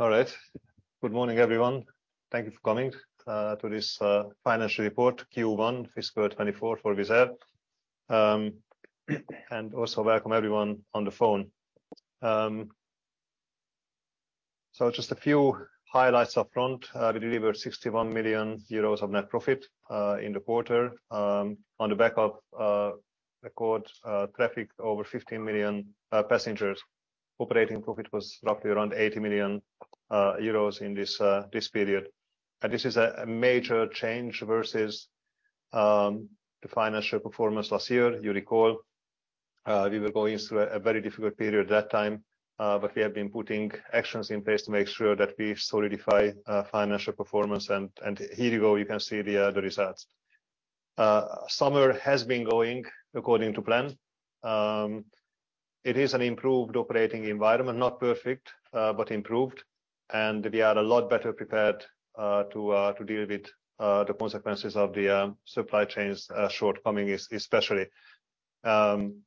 All right. Good morning, everyone. Thank you for coming to this financial report, Q1 fiscal 2024 for Wizz Air. Also welcome everyone on the phone. Just a few highlights up front. We delivered 61 million euros of net profit in the quarter on the back of record traffic, over 15 million passengers. Operating profit was roughly around 80 million euros in this period, this is a major change versus the financial performance last year. You recall, we were going through a very difficult period at that time, we have been putting actions in place to make sure that we solidify financial performance, here you go, you can see the results. Summer has been going according to plan. It is an improved operating environment, not perfect, but improved, and we are a lot better prepared to deal with the consequences of the supply chains shortcoming, especially. We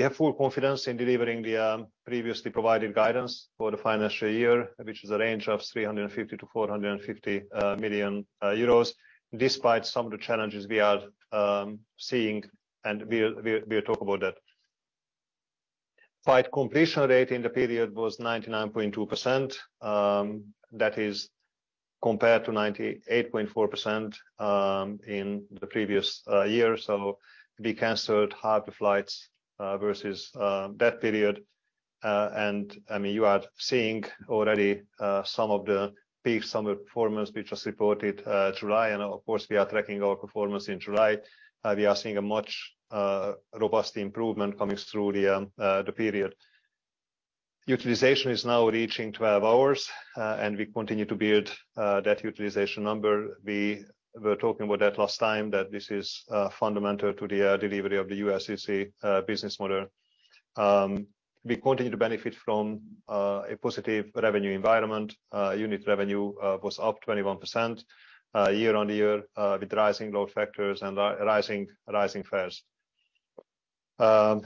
have full confidence in delivering the previously provided guidance for the financial year, which is a range of 350 million-450 million euros, despite some of the challenges we are seeing, and we'll, we'll, we'll talk about that. Flight completion rate in the period was 99.2%. That is compared to 98.4% in the previous year, so we canceled half the flights versus that period. I mean, you are seeing already some of the peak summer performance, which was reported July, and of course, we are tracking our performance in July. We are seeing a much robust improvement coming through the period. Utilization is now reaching 12 hours, and we continue to build that utilization number. We were talking about that last time, that this is fundamental to the delivery of the ULCC business model. We continue to benefit from a positive revenue environment. Unit revenue was up 21% year-on-year, with rising load factors and rising, rising fares. The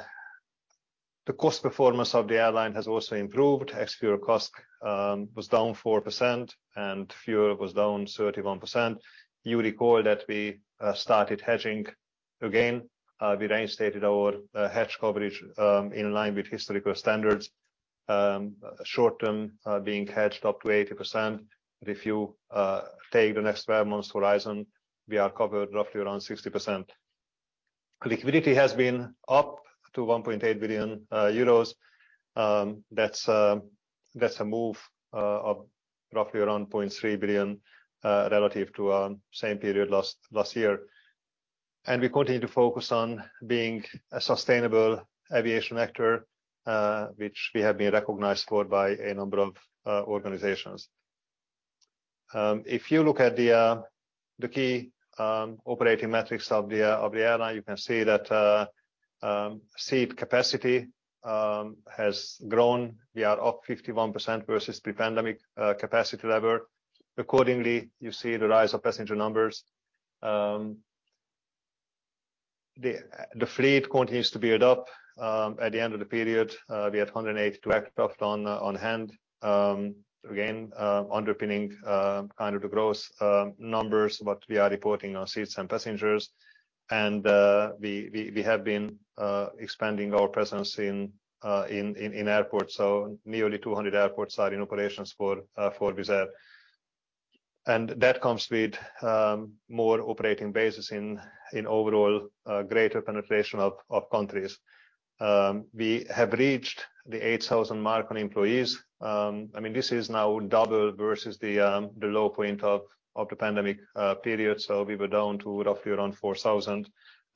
cost performance of the airline has also improved. Ex-fuel cost was down 4% and fuel was down 31%. You recall that we started hedging again. We reinstated our hedge coverage in line with historical standards, short-term being hedged up to 80%. If you take the next 12 months horizon, we are covered roughly around 60%. Liquidity has been up to 1.8 billion euros. That's a move of roughly around 0.3 billion relative to same period last year. We continue to focus on being a sustainable aviation actor, which we have been recognized for by a number of organizations. If you look at the key operating metrics of the airline, you can see that seat capacity has grown. We are up 51% versus pre-pandemic capacity level. Accordingly, you see the rise of passenger numbers. The fleet continues to build up. At the end of the period, we had 182 aircraft on, on hand, again, underpinning, kind of the growth, numbers, what we are reporting on seats and passengers. We, we, we have been expanding our presence in, in, in, in airports, so nearly 200 airports are in operations for Wizz Air. That comes with, more operating bases in, in overall, greater penetration of, of countries. We have reached the 8,000 mark on employees. I mean, this is now double versus the low point of, of the pandemic, period. We were down to roughly around 4,000,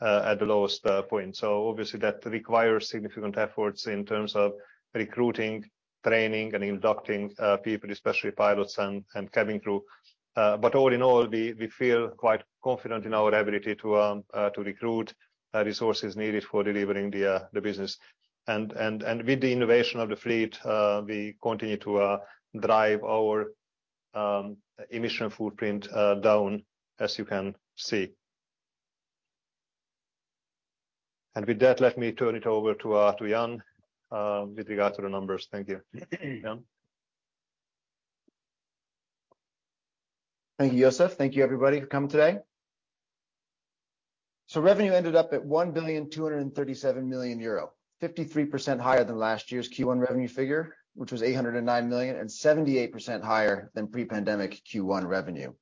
at the lowest, point. Obviously, that requires significant efforts in terms of recruiting, training and inducting, people, especially pilots and, and cabin crew. All in all, we, we feel quite confident in our ability to recruit resources needed for delivering the business. With the innovation of the fleet, we continue to drive our emission footprint down, as you can see. With that, let me turn it over to Ian with regard to the numbers. Thank you. Ian? Thank you, József. Thank you, everybody, for coming today. Revenue ended up at 1,237 million euro, 53% higher than last year's Q1 revenue figure, which was 809 million and 78% higher than pre-pandemic Q1 revenue.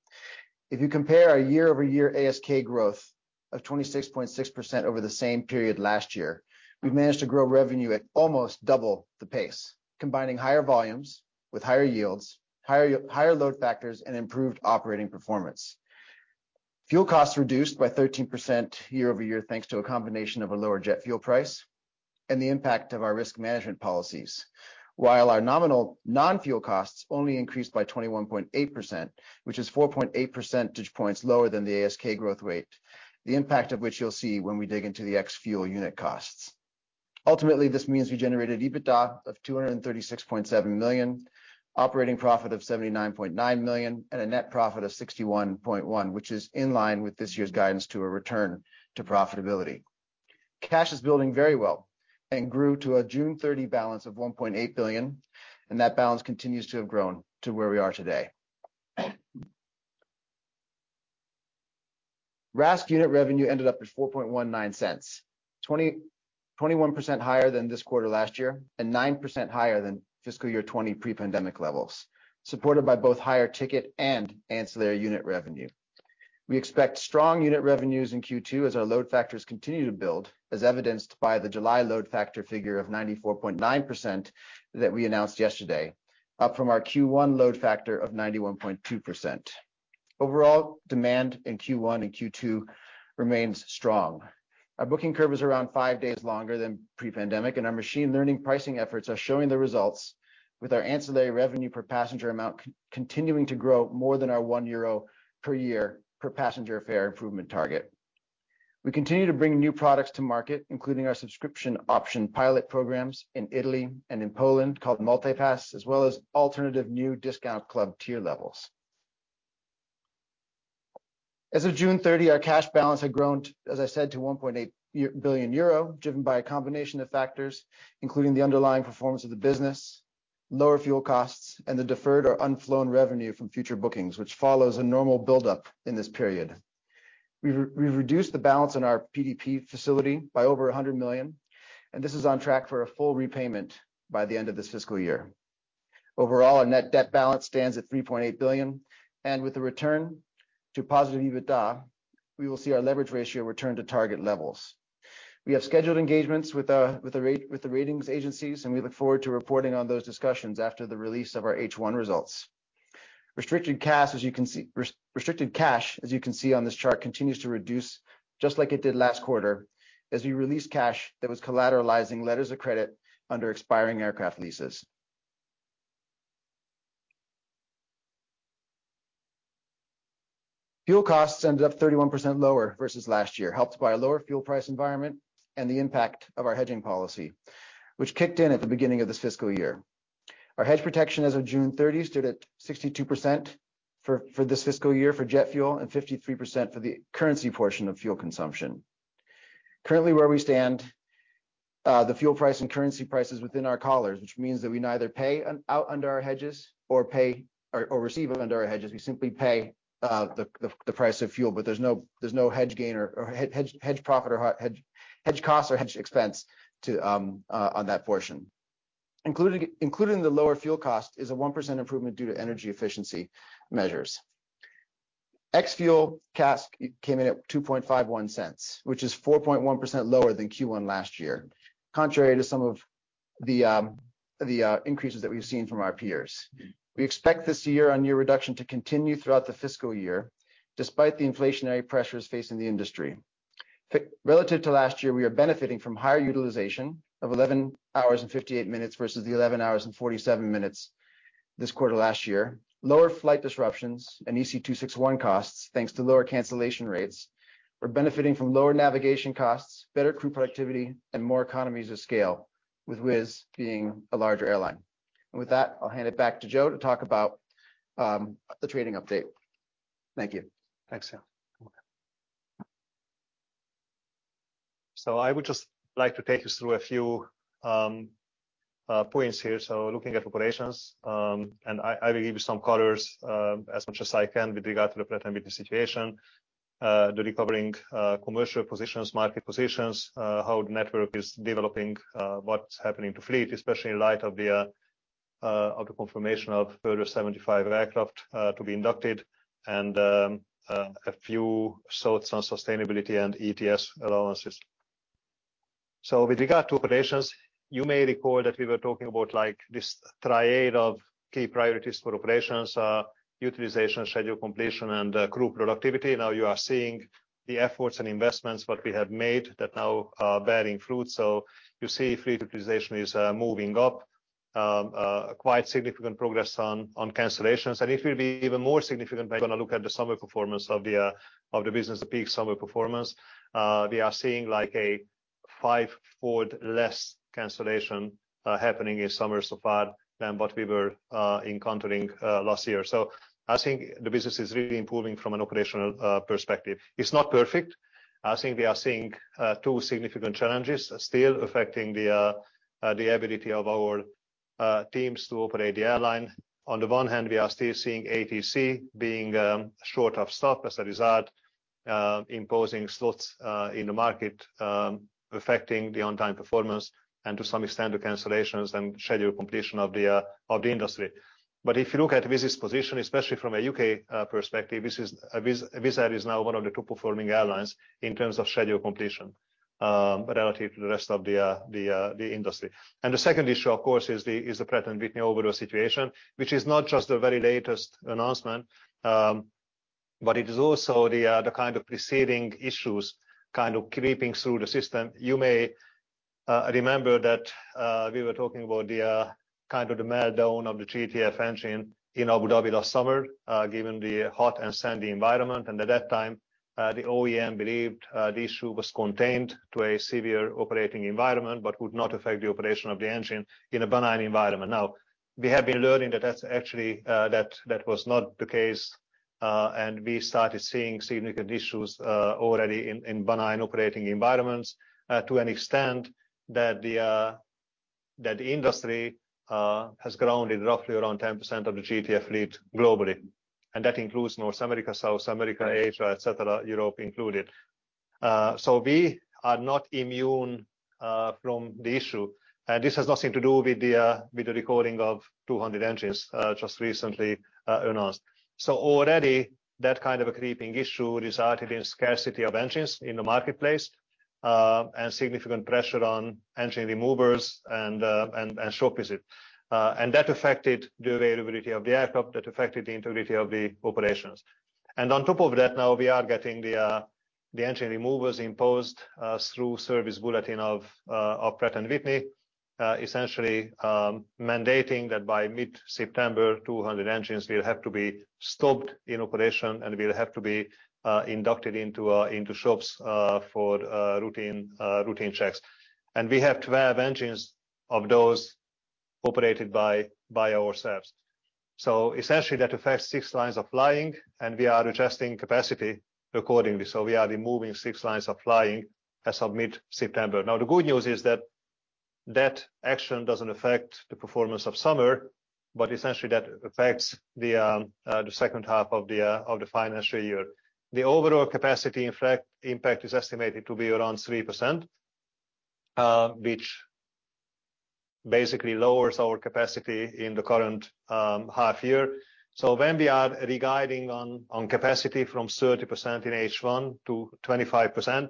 If you compare our year-over-year ASK growth of 26.6% over the same period last year, we've managed to grow revenue at almost double the pace, combining higher volumes with higher yields, higher load factors and improved operating performance. Fuel costs reduced by 13% year-over-year, thanks to a combination of a lower jet fuel price and the impact of our risk management policies. While our nominal non-fuel costs only increased by 21.8%, which is 4.8 percentage points lower than the ASK growth rate, the impact of which you'll see when we dig into the ex-fuel unit costs. Ultimately, this means we generated EBITDA of 236.7 million, operating profit of 79.9 million, and a net profit of 61.1 million, which is in line with this year's guidance to a return to profitability. Cash is building very well and grew to a June 30 balance of 1.8 billion, and that balance continues to have grown to where we are today. RASK unit revenue ended up at 0.0419, 20%-21% higher than this quarter last year and 9% higher than fiscal year 2020 pre-pandemic levels, supported by both higher ticket and ancillary unit revenue. We expect strong unit revenues in Q2 as our load factors continue to build, as evidenced by the July load factor figure of 94.9% that we announced yesterday, up from our Q1 load factor of 91.2%. Overall, demand in Q1 and Q2 remains strong. Our booking curve is around five days longer than pre-pandemic, and our machine learning pricing efforts are showing the results with our ancillary revenue per passenger amount continuing to grow more than our 1 euro per year per passenger fare improvement target. We continue to bring new products to market, including our subscription option pilot programs in Italy and in Poland, called MultiPass, as well as alternative new discount club tier levels. As of June 30, our cash balance had grown, as I said, to 1.8 billion euro, driven by a combination of factors, including the underlying performance of the business, lower fuel costs, and the deferred or unflown revenue from future bookings, which follows a normal buildup in this period. We've reduced the balance on our PDP facility by over 100 million, and this is on track for a full repayment by the end of this fiscal year. Overall, our net debt balance stands at 3.8 billion, and with the return to positive EBITDA, we will see our leverage ratio return to target levels. We have scheduled engagements with the ratings agencies, and we look forward to reporting on those discussions after the release of our H1 results. Restricted cash, as you can see... Restricted cash, as you can see on this chart, continues to reduce, just like it did last quarter, as we release cash that was collateralizing letters of credit under expiring aircraft leases. Fuel costs ended up 31% lower versus last year, helped by a lower fuel price environment and the impact of our hedging policy, which kicked in at the beginning of this fiscal year. Our hedge protection as of June 30 stood at 62% for this fiscal year for jet fuel and 53% for the currency portion of fuel consumption. Currently, where we stand, the fuel price and currency price is within our collars, which means that we neither pay out under our hedges or receive under our hedges. We simply pay the price of fuel, but there's no, there's no hedge gain or, or hedge, hedge profit or hedge, hedge costs or hedge expense on that portion. Including, including the lower fuel cost is a 1% improvement due to energy efficiency measures. ex-Fuel CASK came in at 0.0251, which is 4.1% lower than Q1 last year, contrary to some of the increases that we've seen from our peers. We expect this year-on-year reduction to continue throughout the fiscal year, despite the inflationary pressures facing the industry. Relative to last year, we are benefiting from higher utilization of 11 hours and 58 minutes versus the 11 hours and 47 minutes this quarter last year, lower flight disruptions and EC261 costs, thanks to lower cancellation rates. We're benefiting from lower navigation costs, better crew productivity, and more economies of scale, with Wizz being a larger airline. With that, I'll hand it back to Joe to talk about the trading update. Thank you. Thanks, Ian. I would just like to take you through a few points here. Looking at operations, and I, I will give you some colors as much as I can with regard to the Pratt & Whitney situation, the recovering commercial positions, market positions, how the network is developing, what's happening to fleet, especially in light of the confirmation of further 75 aircraft to be inducted, and a few thoughts on sustainability and ETS allowances. With regard to operations, you may recall that we were talking about like this triad of key priorities for operations, utilization, schedule completion, and crew productivity. Now you are seeing the efforts and investments, what we have made that now are bearing fruit. You see fleet utilization is moving up. Quite significant progress on, on cancellations, and it will be even more significant when you gonna look at the summer performance of the business, the peak summer performance. We are seeing like a fivefold less cancellation happening in summer so far than what we were encountering last year. I think the business is really improving from an operational perspective. It's not perfect. I think we are seeing two significant challenges still affecting the ability of our teams to operate the airline. On the one hand, we are still seeing ATC being short of staff, as a result, imposing slots in the market, affecting the on-time performance and to some extent the cancellations and schedule completion of the industry. If you look at Wizz's position, especially from a UK perspective, this is a Wizz, Wizz Air is now one of the top-performing airlines in terms of schedule completion, relative to the rest of the industry. The second issue, of course, is the Pratt & Whitney overall situation, which is not just the very latest announcement, but it is also the kind of preceding issues kind of creeping through the system. You may remember that we were talking about the kind of the meltdown of the GTF engine in Abu Dhabi last summer, given the hot and sandy environment, and at that time, the OEM believed the issue was contained to a severe operating environment but would not affect the operation of the engine in a benign environment. Now, we have been learning that that's actually, that, that was not the case.... and we started seeing significant issues already in, in benign operating environments to an extent that the that the industry has grounded roughly around 10% of the GTF fleet globally. That includes North America, South America, Asia, et cetera, Europe included. We are not immune from the issue. This has nothing to do with the with the recording of 200 engines just recently announced. Already, that kind of a creeping issue resulted in scarcity of engines in the marketplace and significant pressure on engine removers and, and, and shop visits. That affected the availability of the aircraft, that affected the integrity of the operations. On top of that, now we are getting the engine removals imposed through service bulletin of Pratt & Whitney, essentially, mandating that by mid-September, 200 engines will have to be stopped in operation and will have to be inducted into shops for routine checks. We have 12 engines of those operated by ourselves. Essentially, that affects six lines of flying, and we are adjusting capacity accordingly. We are removing six lines of flying as of mid-September. The good news is that that action doesn't affect the performance of summer, but essentially that affects the second half of the financial year. The overall capacity inflect impact is estimated to be around 3%, which basically lowers our capacity in the current half year. When we are re-guiding on, on capacity from 30% in H1 to 25%,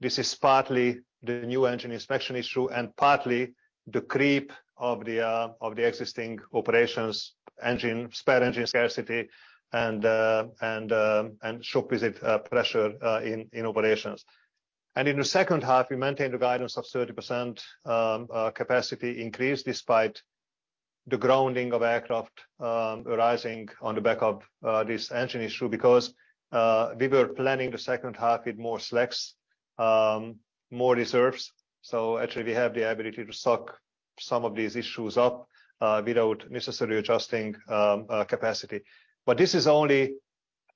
this is partly the new engine inspection issue and partly the creep of the existing operations, engine, spare engine scarcity and and shop visit pressure in operations. In the second half, we maintain the guidance of 30% capacity increase despite the grounding of aircraft arising on the back of this engine issue, because we were planning the second half with more slacks, more reserves. Actually, we have the ability to suck some of these issues up without necessarily adjusting capacity. This is only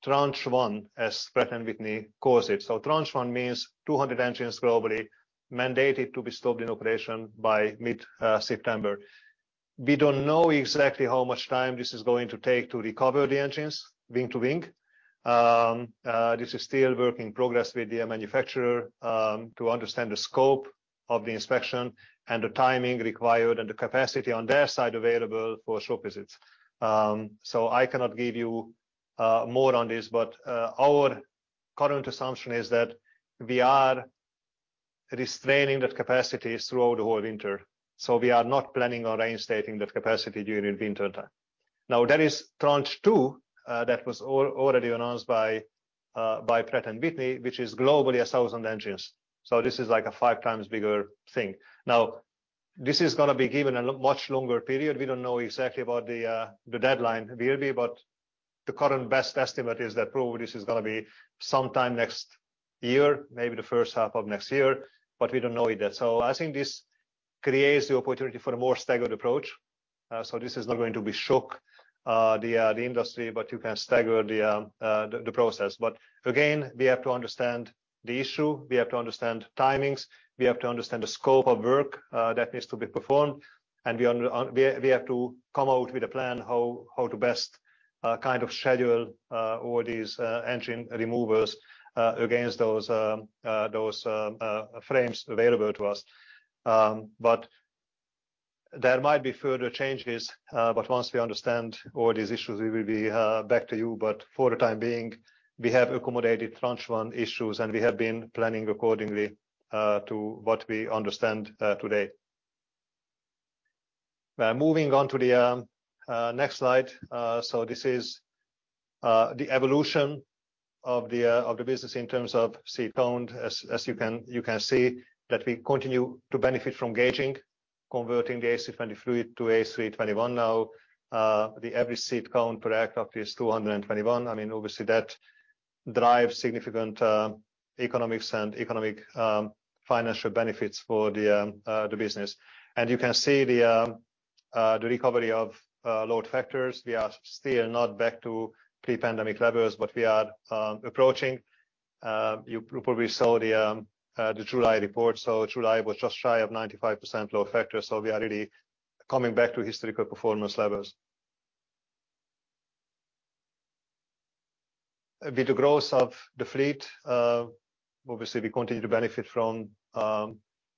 tranche one, as Pratt & Whitney calls it. Tranche one means 200 engines globally, mandated to be stopped in operation by mid-September. We don't know exactly how much time this is going to take to recover the engines, wing-to-wing. This is still work in progress with the manufacturer to understand the scope of the inspection and the timing required and the capacity on their side available for shop visits. I cannot give you more on this, our current assumption is that we are restraining that capacity throughout the whole winter, so we are not planning on reinstating that capacity during the winter time. There is tranche two that was already announced by Pratt & Whitney, which is globally 1,000 engines. This is like a five times bigger thing. Now, this is gonna be given a much longer period. We don't know exactly what the deadline will be, but the current best estimate is that probably this is gonna be sometime next year, maybe the first half of next year, but we don't know yet. I think this creates the opportunity for a more staggered approach. This is not going to be shock the industry, but you can stagger the process. Again, we have to understand the issue, we have to understand timings, we have to understand the scope of work that needs to be performed, and we are on... We, we have to come out with a plan how, how to best, kind of schedule, all these engine removals, against those, those, frames available to us. There might be further changes, but once we understand all these issues, we will be back to you. For the time being, we have accommodated tranche one issues, and we have been planning accordingly, to what we understand today. Moving on to the next slide. This is the evolution of the business in terms of seat count. As, as you can, you can see that we continue to benefit from gauging, converting the A320 fleet to A321 now. The average seat count per aircraft is 221. I mean, obviously, that drives significant economics and economic financial benefits for the business. You can see the recovery of load factors. We are still not back to pre-pandemic levels, but we are approaching. You probably saw the July report. July was just shy of 95% load factor, so we are really coming back to historical performance levels. With the growth of the fleet, obviously, we continue to benefit from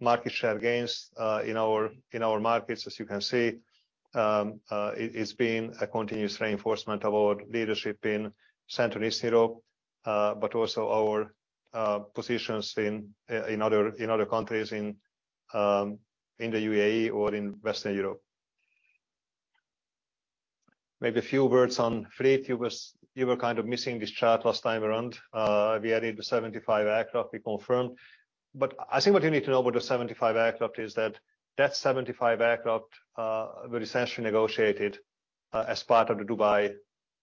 market share gains in our markets. As you can see, it's been a continuous reinforcement of our leadership in Central East Europe, but also our positions in other countries in the UAE or in Western Europe. Maybe a few words on fleet. You were, you were kind of missing this chart last time around. We added the 75 aircraft, we confirmed. I think what you need to know about the 75 aircraft is that that 75 aircraft were essentially negotiated as part of the Dubai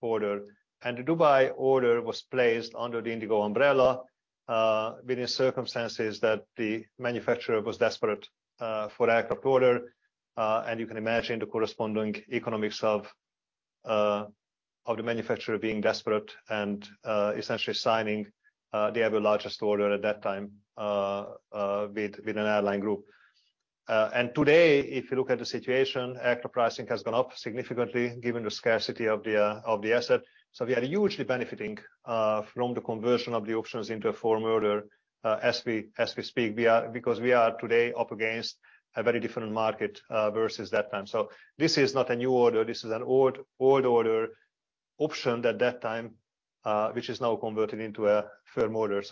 order. The Dubai order was placed under the Indigo umbrella within circumstances that the manufacturer was desperate for aircraft order... You can imagine the corresponding economics of the manufacturer being desperate and essentially signing the ever largest order at that time with, with an airline group. Today, if you look at the situation, aircraft pricing has gone up significantly given the scarcity of the asset. We are hugely benefiting from the conversion of the options into a firm order as we, as we speak. We are because we are today up against a very different market versus that time. This is not a new order, this is an old, old order option at that time, which is now converted into a firm order.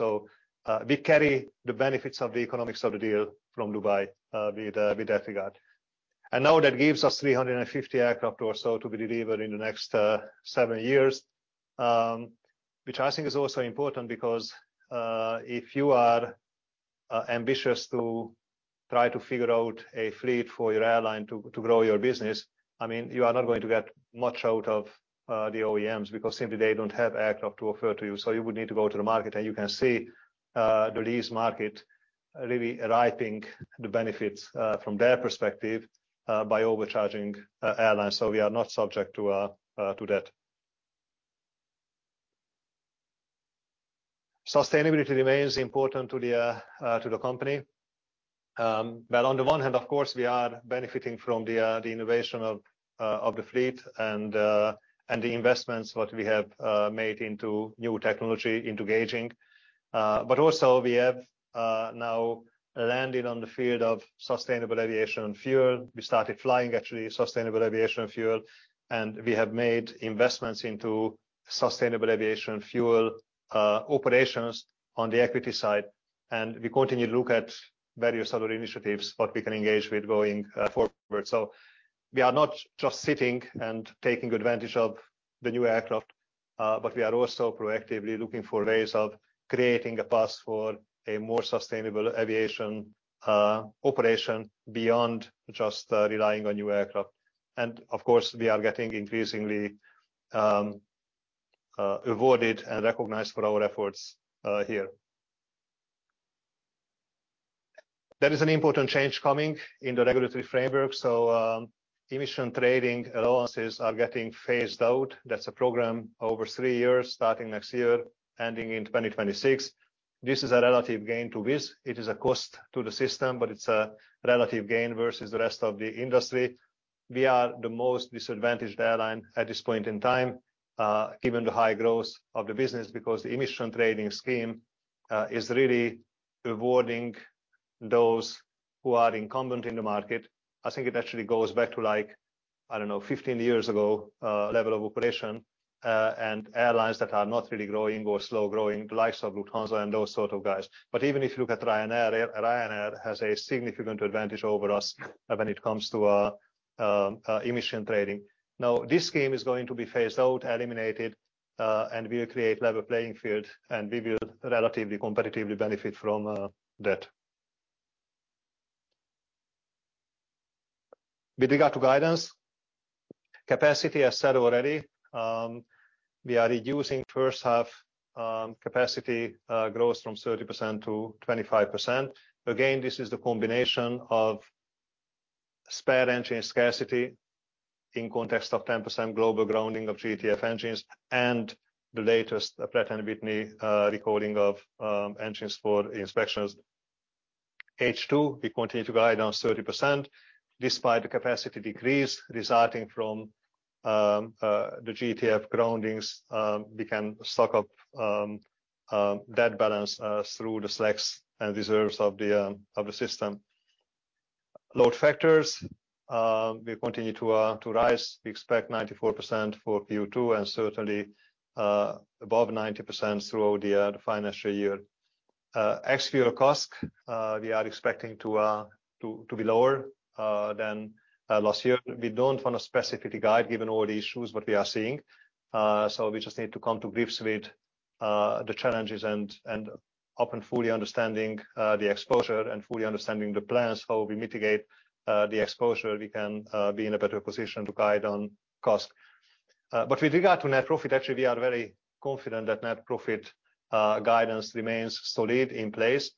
We carry the benefits of the economics of the deal from Dubai with that regard. Now that gives us 350 aircraft or so to be delivered in the next seven years. Which I think is also important because, if you are ambitious to try to figure out a fleet for your airline to, to grow your business, I mean, you are not going to get much out of the OEMs because simply they don't have aircraft to offer to you. You would need to go to the market, and you can see the lease market really reaping the benefits from their perspective by overcharging airlines. We are not subject to that. Sustainability remains important to the company. On the one hand, of course, we are benefiting from the innovation of the fleet and the investments what we have made into new technology, into gauging. Also we have now landed on the field of sustainable aviation fuel. We started flying, actually, sustainable aviation fuel, and we have made investments into sustainable aviation fuel operations on the equity side, and we continue to look at various other initiatives what we can engage with going forward. We are not just sitting and taking advantage of the new aircraft, but we are also proactively looking for ways of creating a path for a more sustainable aviation operation beyond just relying on new aircraft. Of course, we are getting increasingly awarded and recognized for our efforts here. There is an important change coming in the regulatory framework. Emission trading allowances are getting phased out. That's a program over three years, starting next year, ending in 2026. This is a relative gain to Wizz. It is a cost to the system, but it's a relative gain versus the rest of the industry. We are the most disadvantaged airline at this point in time, given the high growth of the business, because the emission trading scheme is really rewarding those who are incumbent in the market. I think it actually goes back to like, I don't know, 15 years ago, level of operation, and airlines that are not really growing or slow growing, the likes of Lufthansa and those sort of guys. Even if you look at Ryanair, Ryanair has a significant advantage over us when it comes to emission trading. This scheme is going to be phased out, eliminated, and we will create level playing field, and we will relatively competitively benefit from that. With regard to guidance, capacity, as said already, we are reducing first half, capacity growth from 30%-25%. This is the combination of spare engine scarcity in context of 10% global grounding of GTF engines and the latest Pratt & Whitney, recording of engines for inspections. H2, we continue to guide down 30% despite the capacity decrease resulting from the GTF groundings, we can soak up that balance through the slacks and reserves of the system. Load factors, we continue to rise. We expect 94% for Q2 and certainly above 90% throughout the financial year. Actual cost, we are expecting to be lower than last year. We don't want to specifically guide given all the issues what we are seeing, so we just need to come to grips with the challenges and, and upon fully understanding the exposure and fully understanding the plans for how we mitigate the exposure, we can be in a better position to guide on cost. With regard to net profit, actually, we are very confident that net profit guidance remains solid in place.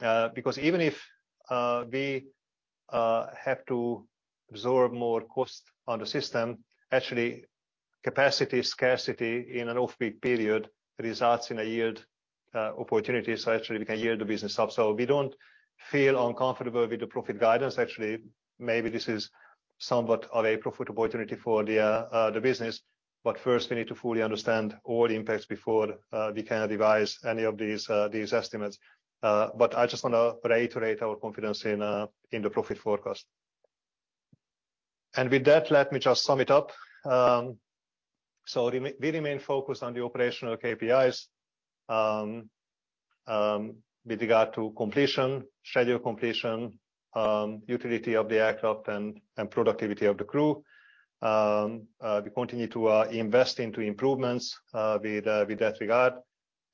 Even if we have to absorb more cost on the system, actually, capacity scarcity in an off-peak period results in a yield opportunity. Actually, we can yield the business up. We don't feel uncomfortable with the profit guidance. Actually, maybe this is somewhat of a profit opportunity for the business, but first we need to fully understand all the impacts before we can revise any of these estimates. I just want to reiterate our confidence in the profit forecast. With that, let me just sum it up. We remain focused on the operational KPIs, with regard to completion, schedule completion, utility of the aircraft and productivity of the crew. We continue to invest into improvements with that regard.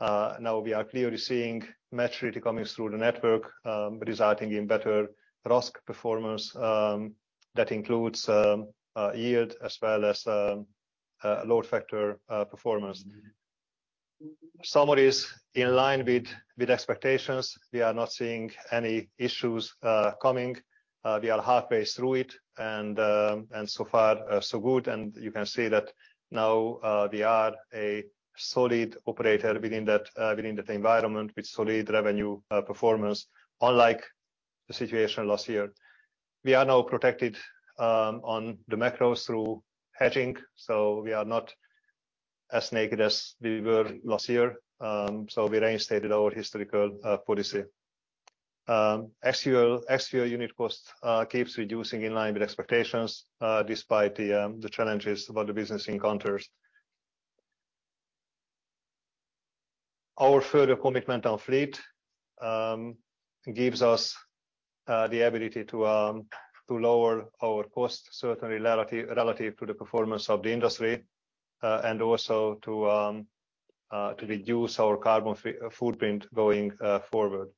Now we are clearly seeing maturity coming through the network, resulting in better RASK performance, that includes yield as well as load factor performance. Summer is in line with expectations. We are not seeing any issues coming. We are halfway through it, and so far, so good. You can see that now, we are a solid operator within that environment, with solid revenue performance, unlike the situation last year. We are now protected on the macros through hedging, so we are not as naked as we were last year. We reinstated our historical policy. SCL unit cost keeps reducing in line with expectations despite the challenges what the business encounters. Our further commitment on fleet gives us the ability to lower our costs, certainly relative to the performance of the industry. Also to reduce our carbon footprint going forward.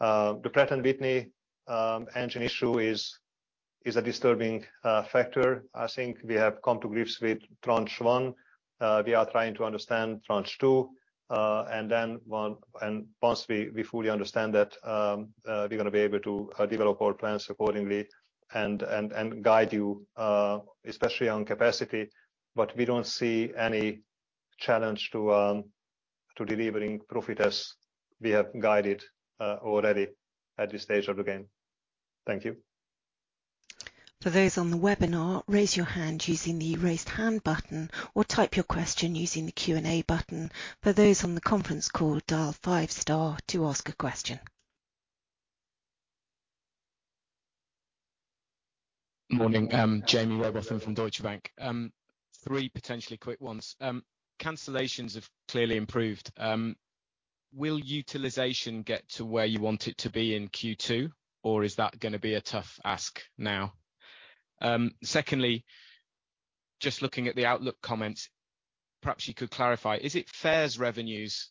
The Pratt & Whitney engine issue is a disturbing factor. I think we have come to grips with tranche one. We are trying to understand tranche two, and then once we, we fully understand that, we're gonna be able to develop our plans accordingly and, and, and guide you, especially on capacity. We don't see any challenge to delivering profit as we have guided already at this stage of the game. Thank you. For those on the webinar, raise your hand using the Raise Hand button, or type your question using the Q&A button. For those on the conference call, dial five star to ask a question. Morning. Jaime Rowbotham from Deutsche Bank. Three potentially quick ones. Cancellations have clearly improved. Will utilization get to where you want it to be in Q2, or is that gonna be a tough ask now? Secondly, just looking at the outlook comments, perhaps you could clarify: Is it fares revenues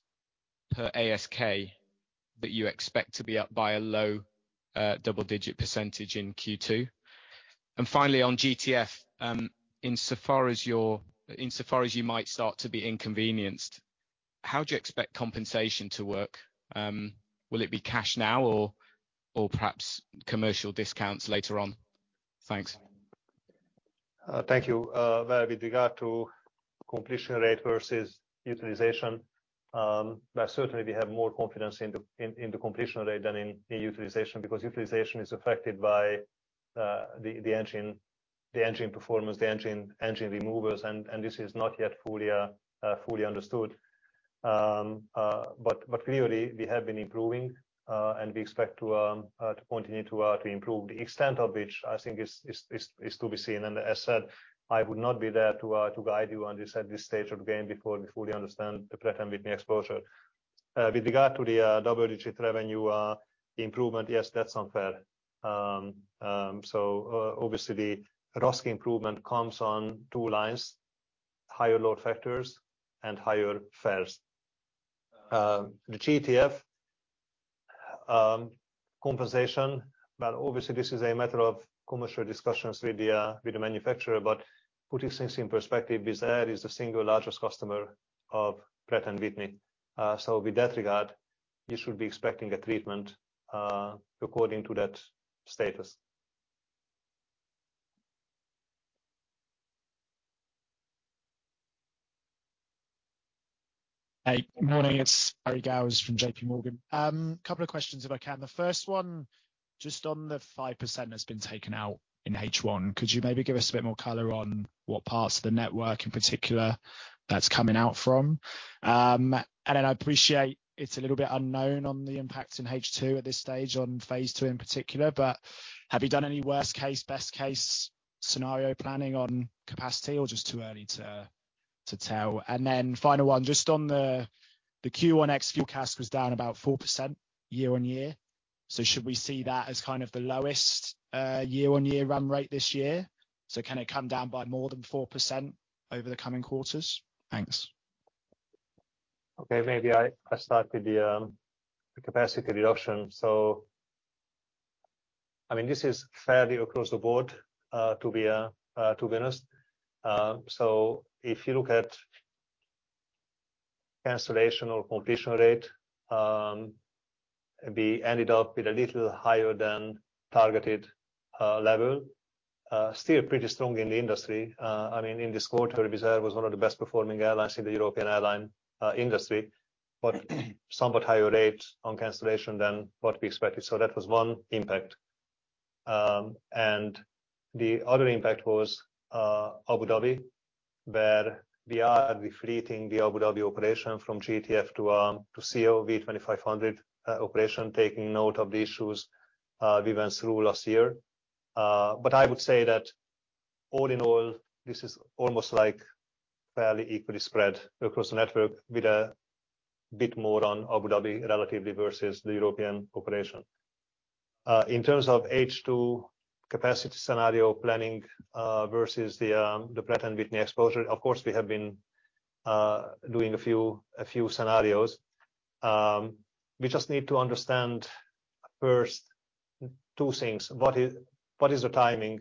per ASK that you expect to be up by a low, double-digit percent in Q2? Finally, on GTF, insofar as you might start to be inconvenienced, how do you expect compensation to work? Will it be cash now or perhaps commercial discounts later on? Thanks. Uh, thank you. Uh, well, with regard to completion rate versus utilization, um, but certainly we have more confidence in the, in, in the completion rate than in, in utilization, because utilization is affected by, uh, the, the engine, the engine performance, the engine, engine removals, and, and this is not yet fully, uh, uh, fully understood. Um, uh, but, but clearly we have been improving, uh, and we expect to, um, uh, to continue to, uh, to improve. The extent of which, I think is, is, is, is to be seen. And as said, I would not be there to, uh, to guide you on this at this stage of the game before we fully understand the Pratt & Whitney exposure. Uh, with regard to the, uh, double-digit revenue, uh, improvement, yes, that's on fare. Obviously the RASK improvement comes on two lines: higher load factors and higher fares. The GTF compensation, but obviously this is a matter of commercial discussions with the manufacturer. Putting things in perspective, Wizz Air is the single largest customer of Pratt & Whitney. With that regard, you should be expecting a treatment according to that status. Hey, morning. It's Harry Gowers from JPMorgan. Couple of questions, if I can. The first one, just on the 5% that's been taken out in H1, could you maybe give us a bit more color on what parts of the network in particular that's coming out from? Then I appreciate it's a little bit unknown on the impact in H2 at this stage, on phase II in particular, but have you done any worst-case, best-case scenario planning on capacity, or just too early to tell? Then final one, just on the, the Q1 ex-Fuel CASK was down about 4% year-on-year. Should we see that as kind of the lowest year-on-year run rate this year? Can it come down by more than 4% over the coming quarters? Thanks. Maybe I, I start with the capacity reduction. I mean, this is fairly across the board to be honest. If you look at cancellation or completion rate, we ended up with a little higher than targeted level. Still pretty strong in the industry. I mean, in this quarter, Wizz Air was one of the best performing airlines in the European airline industry, but somewhat higher rate on cancellation than what we expected. That was one impact. The other impact was Abu Dhabi, where we are refleeting the Abu Dhabi operation from GTF to CEO V2500 operation, taking note of the issues we went through last year. I would say that all in all, this is almost like fairly equally spread across the network, with a bit more on Abu Dhabi, relatively versus the European operation. In terms of H2 capacity scenario planning, versus the Pratt & Whitney exposure, of course, we have been doing a few, a few scenarios. We just need to understand. First, two things: What is, what is the timing?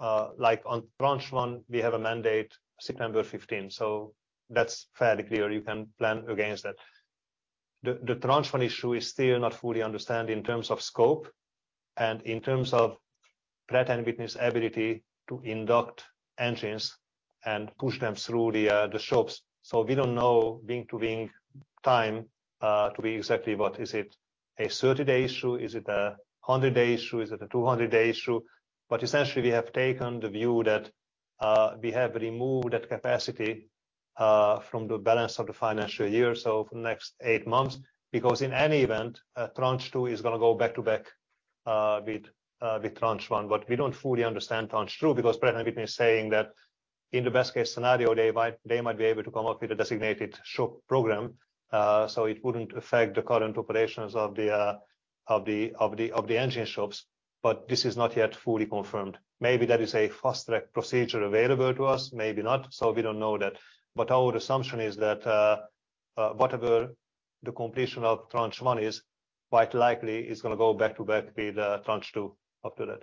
Like on tranche one, we have a mandate September 15th, so that's fairly clear. You can plan against that. The tranche one issue is still not fully understand in terms of scope and in terms of Pratt & Whitney's ability to induct engines and push them through the shops. We don't know wing-to-wing time to be exactly what. Is it a 30-day issue? Is it a 100-day issue? Is it a 200-day issue? Essentially, we have taken the view that we have removed that capacity from the balance of the financial year, so for the next eight months. In any event, tranche two is gonna go back-to-back with tranche one. We don't fully understand tranche two, because Pratt & Whitney is saying that in the best case scenario, they might, they might be able to come up with a designated shop program, so it wouldn't affect the current operations of the engine shops, but this is not yet fully confirmed. Maybe there is a fast-track procedure available to us, maybe not, so we don't know that. Our assumption is that, whatever the completion of tranche one is, quite likely it's gonna go back-to-back with tranche two after that.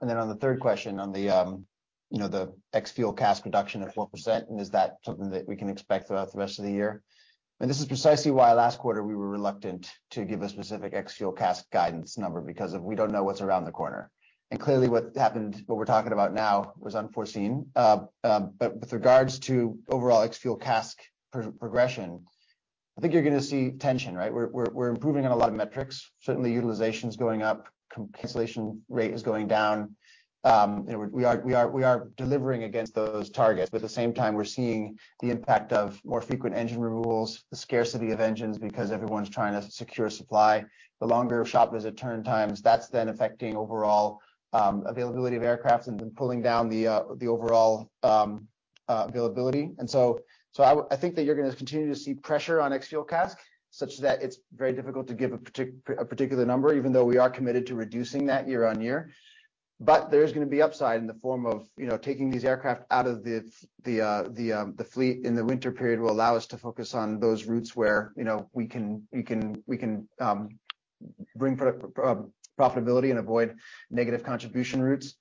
On the third question, on the, you know, the ex-Fuel CASK reduction of 4%, is that something that we can expect throughout the rest of the year? This is precisely why last quarter we were reluctant to give a specific ex-Fuel CASK guidance number, because of we don't know what's around the corner. Clearly, what happened, what we're talking about now was unforeseen. But with regards to overall ex-Fuel CASK progression, I think you're gonna see tension, right? We're, we're, we're improving on a lot of metrics. Certainly, utilization is going up, cancellation rate is going down. You know, we are, we are, we are delivering against those targets, but at the same time, we're seeing the impact of more frequent engine removals, the scarcity of engines, because everyone's trying to secure supply. The longer shop visit turn times, that's then affecting overall availability of aircraft and then pulling down the overall availability. I think that you're gonna continue to see pressure on ex-Fuel CASK, such that it's very difficult to give a particular number, even though we are committed to reducing that year-over-year. There's gonna be upside in the form of, you know, taking these aircraft out of the fleet in the winter period will allow us to focus on those routes where, you know, we can, we can, we can bring profitability and avoid negative contribution routes.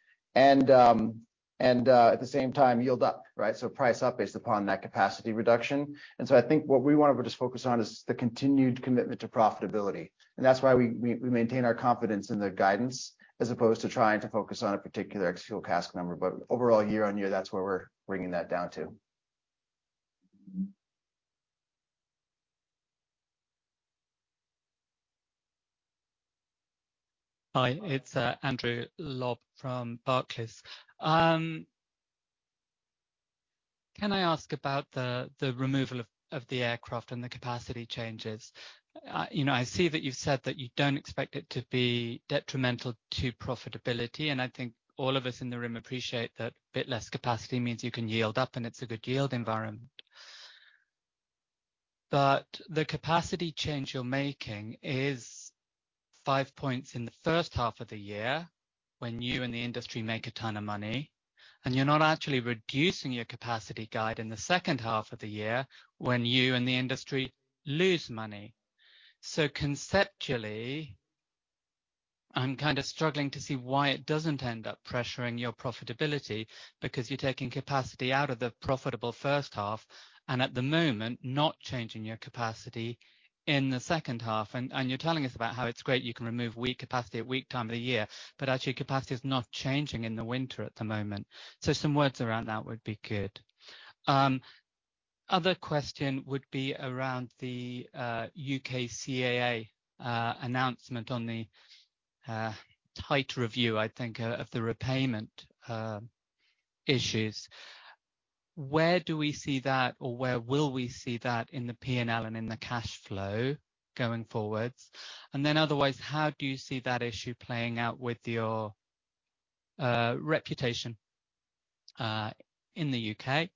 At the same time, yield up, right? Price up based upon that capacity reduction. I think what we want to just focus on is the continued commitment to profitability, and that's why we, we, we maintain our confidence in the guidance, as opposed to trying to focus on a particular ex-Fuel CASK number. Overall, year-on-year, that's where we're bringing that down to. Mm-hmm. Hi, it's Andrew Lobbenberg from Barclays. Can I ask about the, the removal of, of the aircraft and the capacity changes? You know, I see that you've said that you don't expect it to be detrimental to profitability, and I think all of us in the room appreciate that a bit less capacity means you can yield up, and it's a good yield environment. The capacity change you're making is five points in the first half of the year, when you and the industry make a ton of money, and you're not actually reducing your capacity guide in the second half of the year when you and the industry lose money. Conceptually, I'm kind of struggling to see why it doesn't end up pressuring your profitability, because you're taking capacity out of the profitable first half, and at the moment, not changing your capacity in the second half. And you're telling us about how it's great you can remove weak capacity at weak time of the year, but actually, capacity is not changing in the winter at the moment. Some words around that would be good. Other question would be around the U.K. CAA announcement on the tight review, I think, of the repayment issues. Where do we see that, or where will we see that in the P&L and in the cash flow going forwards? Then otherwise, how do you see that issue playing out with your reputation in the U.K.?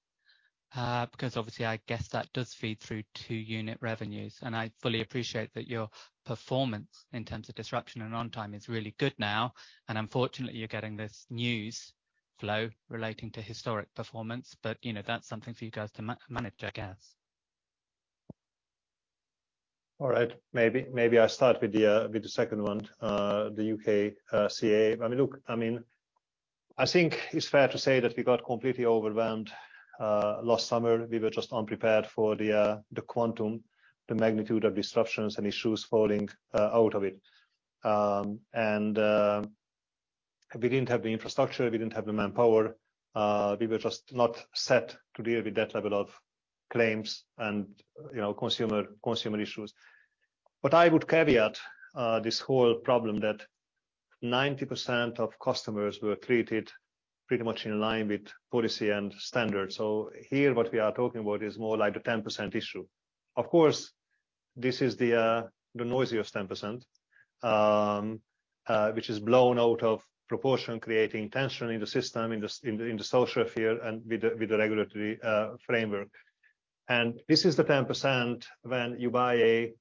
Because obviously, I guess that does feed through to unit revenues, and I fully appreciate that your performance in terms of disruption and on time is really good now, and unfortunately, you're getting this news flow relating to historic performance. You know, that's something for you guys to manage, I guess. All right. Maybe, maybe I start with the second one, the U.K. CAA. I mean, look, I mean, I think it's fair to say that we got completely overwhelmed last summer. We were just unprepared for the quantum, the magnitude of disruptions and issues falling out of it. We didn't have the infrastructure, we didn't have the manpower. We were just not set to deal with that level of claims and, you know, consumer, consumer issues. I would caveat this whole problem that 90% of customers were treated pretty much in line with policy and standards. Here, what we are talking about is more like the 10% issue. Of course, this is the, the noisiest 10%, which is blown out of proportion, creating tension in the system, in the social sphere, and with the, with the regulatory framework. This is the 10% when you buy a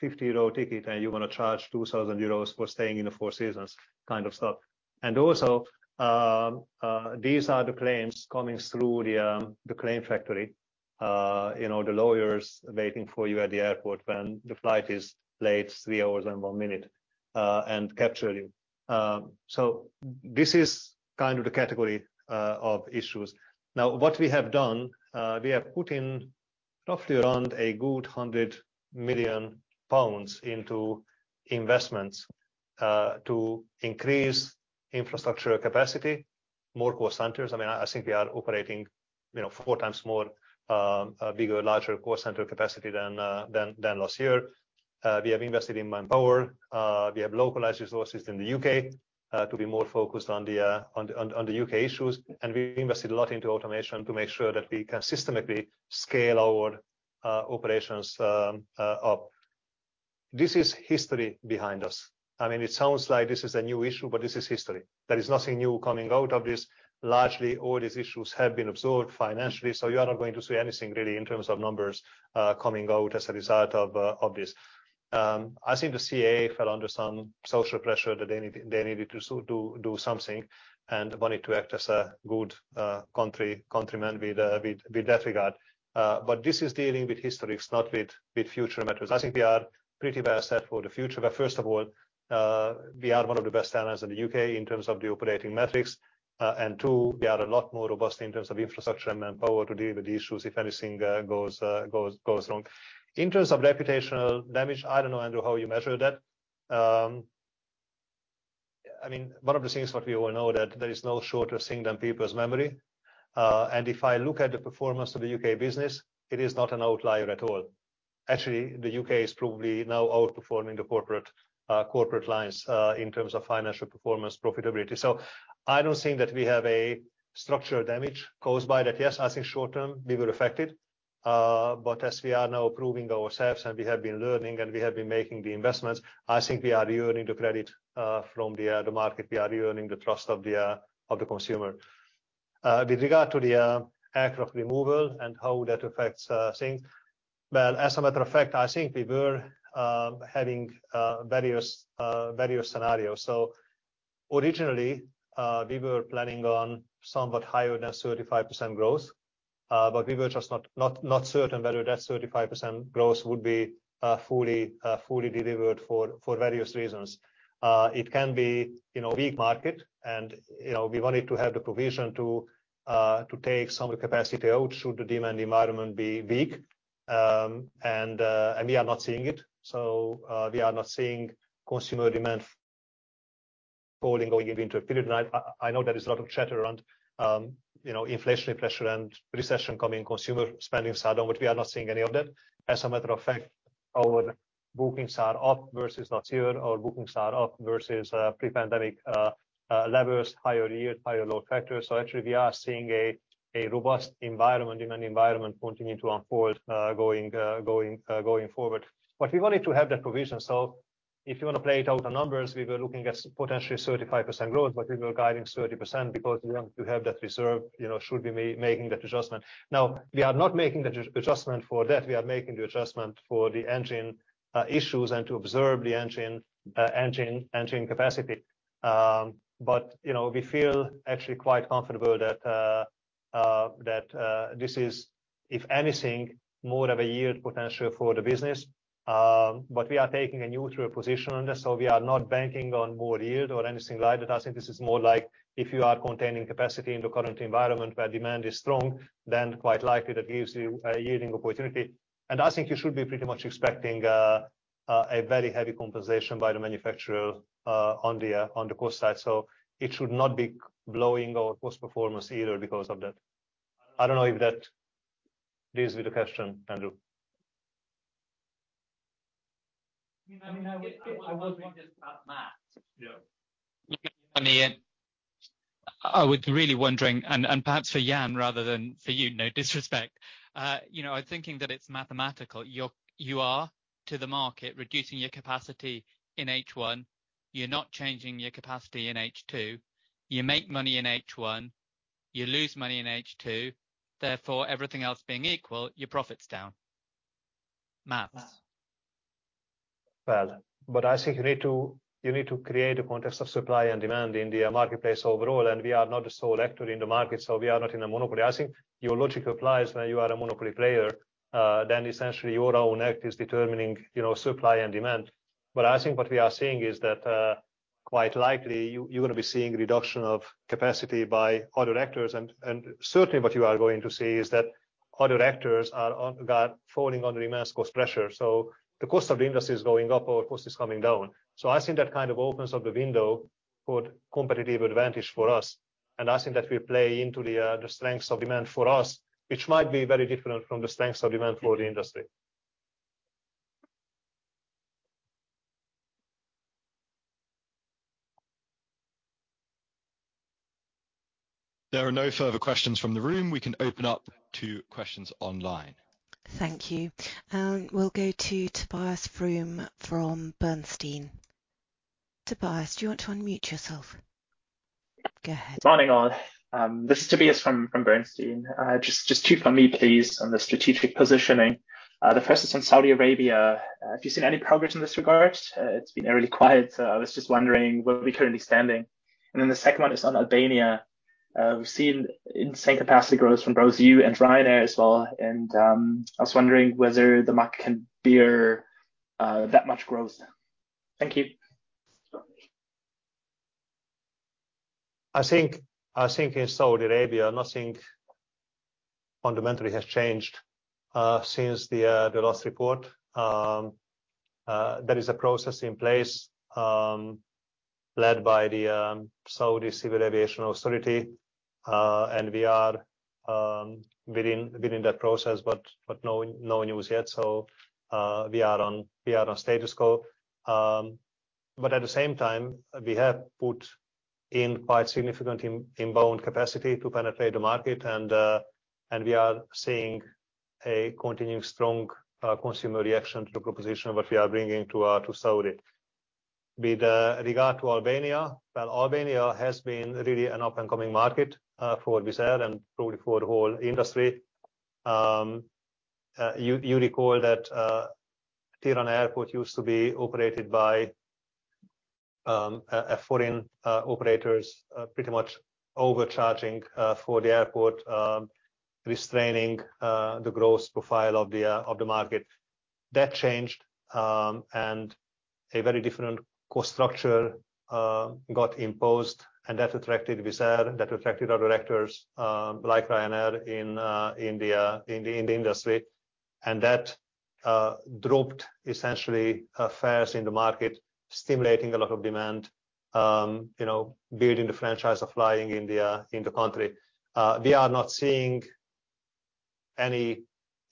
50 euro ticket, and you want to charge 2,000 euros for staying in the Four Seasons kind of stuff. Also, these are the claims coming through the claim factory. You know, the lawyers waiting for you at the airport when the flight is late three hours and one minute, and capture you. So this is kind of the category of issues. Now, what we have done, we have put in roughly around a good 100 million pounds into investments, to increase infrastructure capacity, more call centers. I mean, I think we are operating, you know, four times more, a bigger, larger call center capacity than last year. We have invested in manpower. We have localized resources in the U.K., to be more focused on the, on the, on the U.K. issues, and we invested a lot into automation to make sure that we can systematically scale our operations up. This is history behind us. I mean, it sounds like this is a new issue, but this is history. There is nothing new coming out of this. Largely, all these issues have been absorbed financially, so you are not going to see anything really, in terms of numbers, coming out as a result of this. I think the CAA fell under some social pressure that they needed to do something and wanted to act as a good countryman with that regard. This is dealing with history, it's not with future matters. I think we are pretty well set for the future. First of all, we are one of the best airlines in the U.K. in terms of the operating metrics. Two, we are a lot more robust in terms of infrastructure and manpower to deal with the issues if anything goes wrong. In terms of reputational damage, I don't know, Andrew, how you measure that. I mean, one of the things what we all know that there is no shorter thing than people's memory. If I look at the performance of the U.K. business, it is not an outlier at all. Actually, the U.K. is probably now outperforming the corporate, corporate lines in terms of financial performance profitability. I don't think that we have a structural damage caused by that. Yes, I think short-term, we were affected, but as we are now proving ourselves and we have been learning, and we have been making the investments, I think we are re-earning the credit from the market. We are re-earning the trust of the consumer. With regard to the aircraft removal and how that affects things, well, as a matter of fact, I think we were having various, various scenarios. Originally, we were planning on somewhat higher than 35% growth, we were just not, not, not certain whether that 35% growth would be fully, fully delivered for, for various reasons. It can be, you know, weak market and, you know, we wanted to have the provision to take some capacity out should the demand environment be weak. We are not seeing it. We are not seeing consumer demand falling or even into a period. I, I know there is a lot of chatter around, you know, inflationary pressure and recession coming, consumer spending slowdown, but we are not seeing any of that. As a matter of fact, our bookings are up versus last year. Our bookings are up versus pre-pandemic levels, higher yield, higher load factors. Actually, we are seeing a robust environment, demand environment continuing to unfold, going, going, going forward. We wanted to have that provision. If you want to play it out on numbers, we were looking at potentially 35% growth, but we were guiding 30% because we want to have that reserve, you know, should we be making that adjustment. We are not making the adjustment for that, we are making the adjustment for the engine issues and to observe the engine, engine capacity. You know, we feel actually quite comfortable that, that this is, if anything, more of a yield potential for the business. We are taking a neutral position on this, so we are not banking on more yield or anything like that. I think this is more like if you are containing capacity in the current environment where demand is strong, then quite likely that gives you a yielding opportunity. I think you should be pretty much expecting a very heavy compensation by the manufacturer on the cost side. It should not be blowing our cost performance either because of that. I don't know if that deals with the question, Andrew. I mean, I was wondering just about math. Yeah. I mean, I was really wondering, and, and perhaps for Ian, rather than for you, no disrespect. you know, I'm thinking that it's mathematical. you are, to the market, reducing your capacity in H1. You're not changing your capacity in H2. You make money in H1, you lose money in H2, therefore, everything else being equal, your profit's down. Maths. I think you need to, you need to create a context of supply and demand in the marketplace overall, we are not the sole actor in the market, we are not in a monopoly. I think your logic applies when you are a monopoly player, essentially your own act is determining, you know, supply and demand. I think what we are seeing is that, quite likely, you, you're gonna be seeing reduction of capacity by other actors, and certainly what you are going to see is that other actors are falling under immense cost pressure. The cost of the industry is going up, our cost is coming down. I think that kind of opens up the window for competitive advantage for us, and I think that will play into the, the strengths of demand for us, which might be very different from the strengths of demand for the industry. There are no further questions from the room. We can open up to questions online. Thank you. We'll go to Tobias Fromm from Bernstein. Tobias, do you want to unmute yourself? Go ahead. Morning, all. This is Tobias Fromm from Bernstein. Just, just two from me, please, on the strategic positioning. The first is on Saudi Arabia. Have you seen any progress in this regard? It's been really quiet, so I was just wondering where we're currently standing. The second one is on Albania. We've seen insane capacity growth from both you and Ryanair as well, and I was wondering whether the market can bear that much growth now. Thank you. I think, I think in Saudi Arabia, nothing fundamentally has changed, since the last report. There is a process in place, led by the Saudi Civil Aviation Authority, and we are within that process, but no news yet, so we are on status quo. At the same time, we have put in quite significant inbound capacity to penetrate the market, and we are seeing a continuing strong consumer reaction to the proposition of what we are bringing to Saudi. With regard to Albania, well, Albania has been really an up-and-coming market for Wizz Air and probably for the whole industry. You, you recall that Tirana Airport used to be operated by a foreign operators, pretty much overcharging for the airport, restraining the growth profile of the market. That changed, and a very different cost structure got imposed, and that attracted Wizz Air, that attracted other actors, like Ryanair in the industry. That dropped essentially fares in the market, stimulating a lot of demand, you know, building the franchise of flying in the country. We are not seeing any,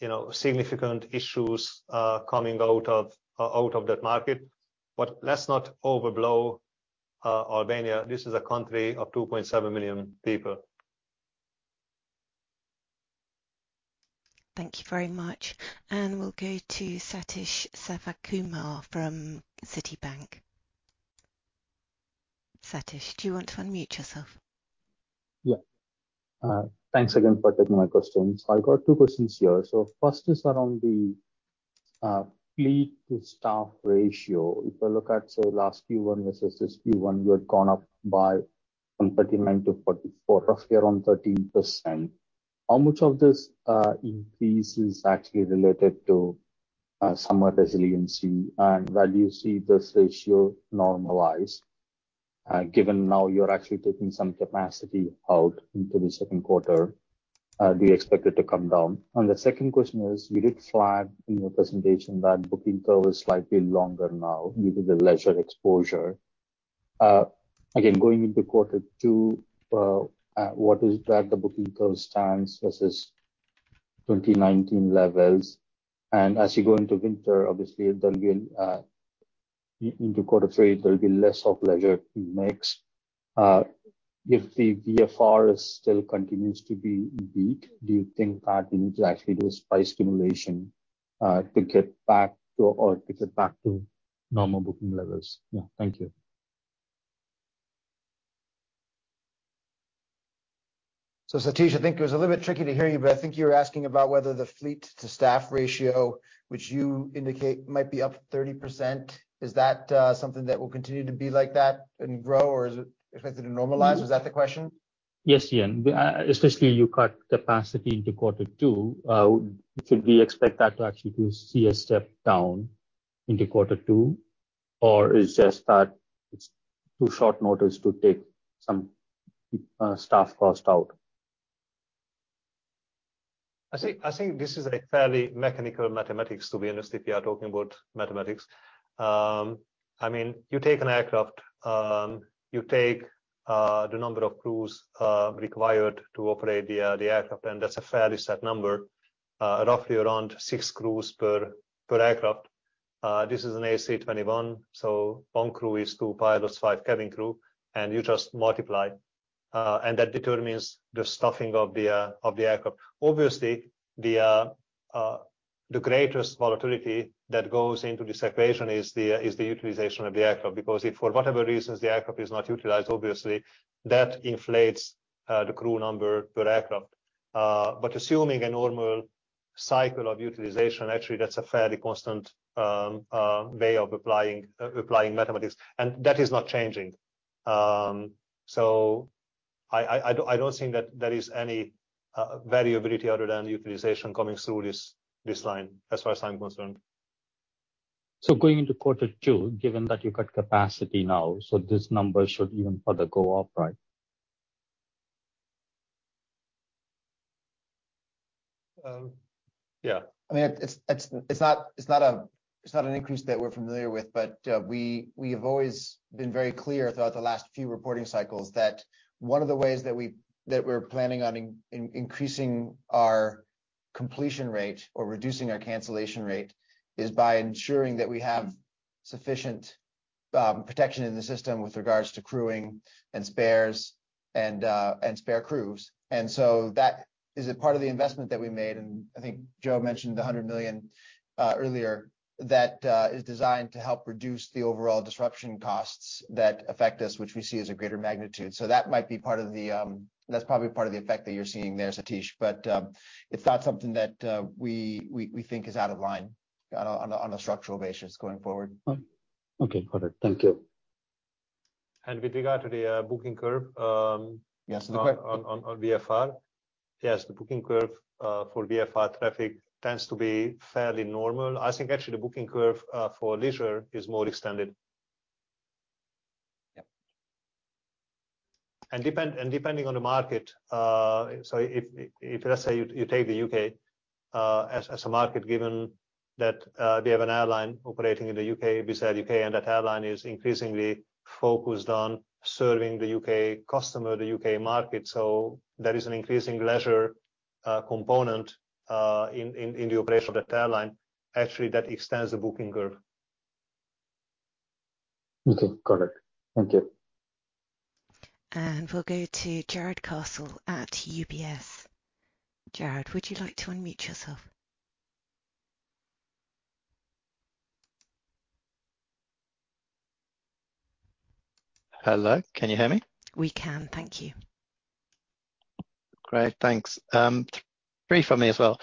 you know, significant issues coming out of that market. Let's not overblow Albania. This is a country of 2.7 million people. Thank you very much. We'll go to Satish Sivakumar from Citibank. Satish, do you want to unmute yourself? Yeah. Thanks again for taking my questions. I've got two questions here. First is around the fleet to staff ratio. If you look at, say, last Q1 versus this Q1, you had gone up by from 39 to 44, roughly around 13%. How much of this increase is actually related to summer resiliency, and when you see this ratio normalize, given now you're actually taking some capacity out into the second quarter, do you expect it to come down? The second question is: You did flag in your presentation that booking curve is slightly longer now due to the leisure exposure. Again, going into quarter two, what is that the booking curve stands versus 2019 levels? As you go into winter, obviously there will, into quarter three, there will be less of leisure mix. If the VFR still continues to be weak, do you think that you need to actually do a price stimulation, to get back to, or to get back to normal booking levels? Yeah. Thank you. Satish, I think it was a little bit tricky to hear you, but I think you were asking about whether the fleet to staff ratio, which you indicate might be up 30%, is that something that will continue to be like that and grow, or is it expected to normalize? Is that the question? Yes, Ian. especially you cut capacity into quarter two, should we expect that to actually to see a step down into quarter two, or it's just that it's too short notice to take some staff cost out? I think, I think this is a fairly mechanical mathematics to be honest, if you are talking about mathematics. I mean, you take an aircraft, you take the number of crews required to operate the aircraft, and that's a fairly set number, roughly around six crews per, per aircraft. This is an A321, so one crew is two pilots, five cabin crew, and you just multiply, and that determines the staffing of the aircraft. Obviously, the greatest volatility that goes into this equation is the, is the utilization of the aircraft, because if for whatever reasons the aircraft is not utilized, obviously that inflates the crew number per aircraft. Assuming a normal cycle of utilization, actually that's a fairly constant way of applying mathematics, and that is not changing. I, I, I don't, I don't think that there is any variability other than utilization coming through this, this line, as far as I'm concerned. Going into quarter two, given that you cut capacity now, so this number should even further go up, right? Yeah. I mean, it's, it's, it's not, it's not a, it's not an increase that we're familiar with, we, we have always been very clear throughout the last few reporting cycles that one of the ways that we, that we're planning on increasing our completion rate or reducing our cancellation rate is by ensuring that we have sufficient protection in the system with regards to crewing and spares and spare crews. So that is a part of the investment that we made, and I think Joe mentioned the 100 million earlier, that is designed to help reduce the overall disruption costs that affect us, which we see as a greater magnitude. So that might be part of the. That's probably part of the effect that you're seeing there, Satish, but, it's not something that, we, we, we think is out of line on a, on a structural basis going forward. Okay. Got it. Thank you. with regard to the booking curve, - Yes. on, on, on VFR. Yes, the booking curve for VFR traffic tends to be fairly normal. I think actually the booking curve for leisure is more extended. Yep. Depending on the market, if let's say you take the U.K. as a market, given that we have an airline operating in the U.K., besides U.K., and that airline is increasingly focused on serving the U.K. customer, the U.K. market. There is an increasing leisure component in the operation of the airline. Actually, that extends the booking curve. Okay, got it. Thank you. We'll go to Jarrod Castle at UBS. Jarrod, would you like to unmute yourself? Hello, can you hear me? We can. Thank you. Great, thanks. brief for me as well.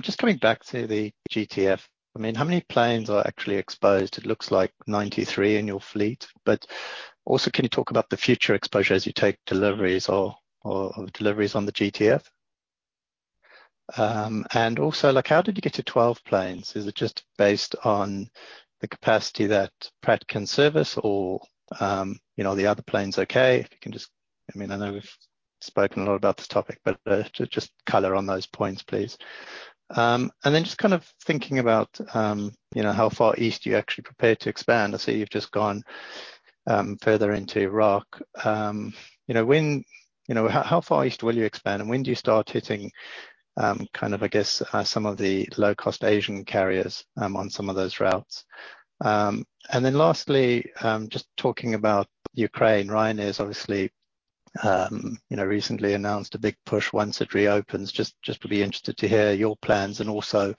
just coming back to the GTF. I mean, how many planes are actually exposed? It looks like 93 in your fleet, also, can you talk about the future exposure as you take deliveries or, or deliveries on the GTF? Also, like, how did you get to 12 planes? Is it just based on the capacity that Pratt can service or, you know, the other planes okay? If you can just... I mean, I know we've spoken a lot about this topic, but, just color on those points, please. Then just kind of thinking about, you know, how far east you actually prepare to expand. I see you've just gone, further into Iraq. You know, when- you know, how far east will you expand, and when do you start hitting, kind of, I guess, some of the low-cost Asian carriers, on some of those routes? Then lastly, just talking about Ukraine, Ryanair is obviously, you know, recently announced a big push once it reopens. Just, just would be interested to hear your plans and also,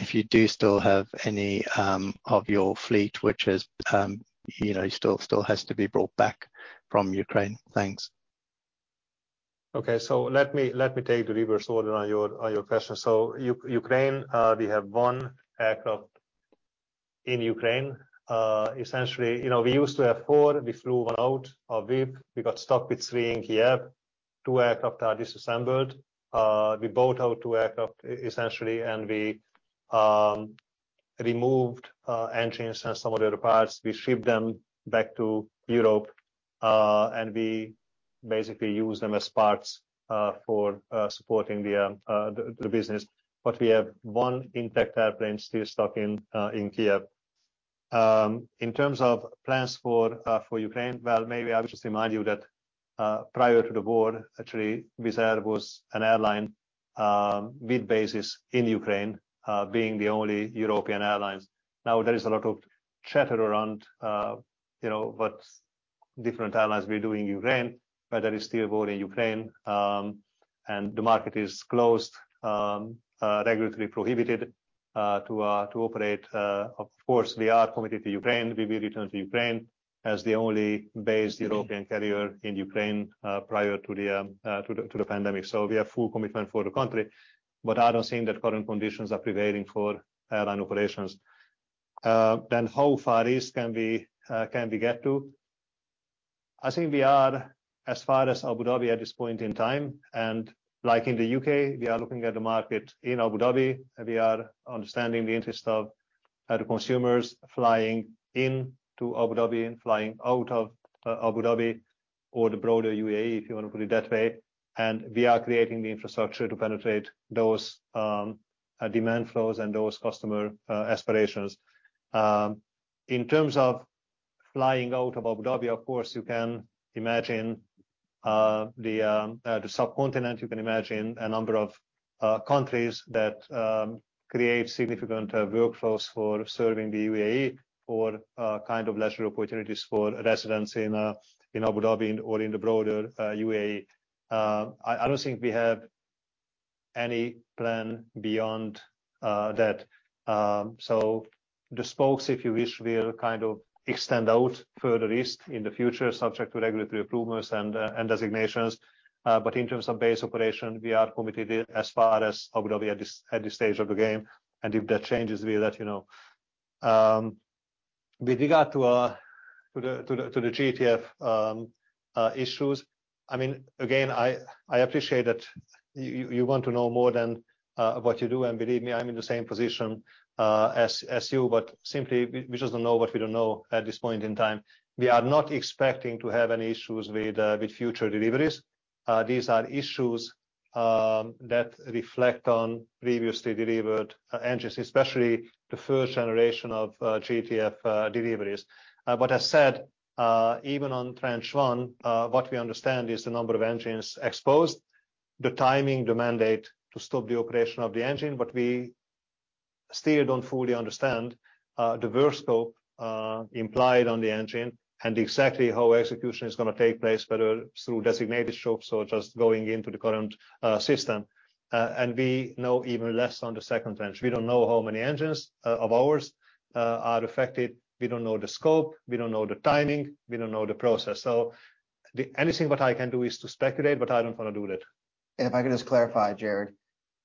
if you do still have any, of your fleet, which is, you know, still, still has to be brought back from Ukraine. Thanks. Okay. Let me, let me take the reverse order on your, on your question. Ukraine, we have one aircraft in Ukraine. Essentially, you know, we used to have four. We flew one out of Kyiv. We got stuck with three in Kyiv. Two aircraft are disassembled. We bought out two aircraft, essentially, and we removed engines and some of the other parts. We shipped them back to Europe and we basically used them as parts for supporting the business. We have one intact airplane still stuck in Kyiv. In terms of plans for Ukraine, well, maybe I'll just remind you that prior to the war, actually, Wizz Air was an airline with bases in Ukraine, being the only European airlines. Now, there is a lot of chatter around, you know, what different airlines will do in Ukraine, but there is still war in Ukraine, and the market is closed, regularly prohibited, to operate. Of course, we are committed to Ukraine. We will return to Ukraine as the only base European carrier in Ukraine, prior to the, to the, to the pandemic. We have full commitment for the country, but I don't think that current conditions are prevailing for airline operations. How far east can we, can we get to? I think we are as far as Abu Dhabi at this point in time. Like in the U.K., we are looking at the market in Abu Dhabi. We are understanding the interest of the consumers flying into Abu Dhabi and flying out of Abu Dhabi, or the broader UAE, if you want to put it that way. We are creating the infrastructure to penetrate those demand flows and those customer aspirations. In terms of flying out of Abu Dhabi, of course, you can imagine the subcontinent, you can imagine a number of countries that create significant workflows for serving the UAE for kind of leisure opportunities for residents in Abu Dhabi or in the broader UAE. I don't think we have any plan beyond that. The spokes, if you wish, we'll kind of extend out further east in the future, subject to regulatory approvals and designations. In terms of base operation, we are committed as far as Abu Dhabi at this, at this stage of the game, and if that changes, we let you know. With regard to the GTF issues, I mean, again, I, I appreciate that y- y- you want to know more than what you do, and believe me, I'm in the same position as, as you, but simply, we, we just don't know what we don't know at this point in time. We are not expecting to have any issues with future deliveries. These are issues that reflect on previously delivered engines, especially the first generation of GTF deliveries. But I said, even on tranche one, what we understand is the number of engines exposed, the timing, the mandate to stop the operation of the engine, but we still don't fully understand the verse scope implied on the engine and exactly how execution is gonna take place, whether through designated shops or just going into the current system. We know even less on the second tranche. We don't know how many engines of ours are affected. We don't know the scope. We don't know the timing. We don't know the process. The only thing what I can do is to speculate, but I don't wanna do that. If I could just clarify, Jarrod-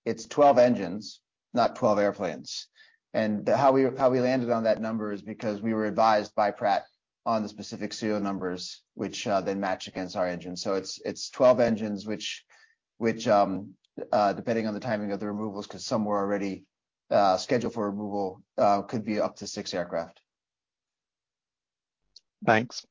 It's 12 engines, not 12 airplanes. The, how we, how we landed on that number is because we were advised by Pratt on the specific serial numbers, which, then match against our engines. It's, it's 12 engines, which, which, depending on the timing of the removals, 'cause some were already, scheduled for removal, could be up to six aircraft. Thanks.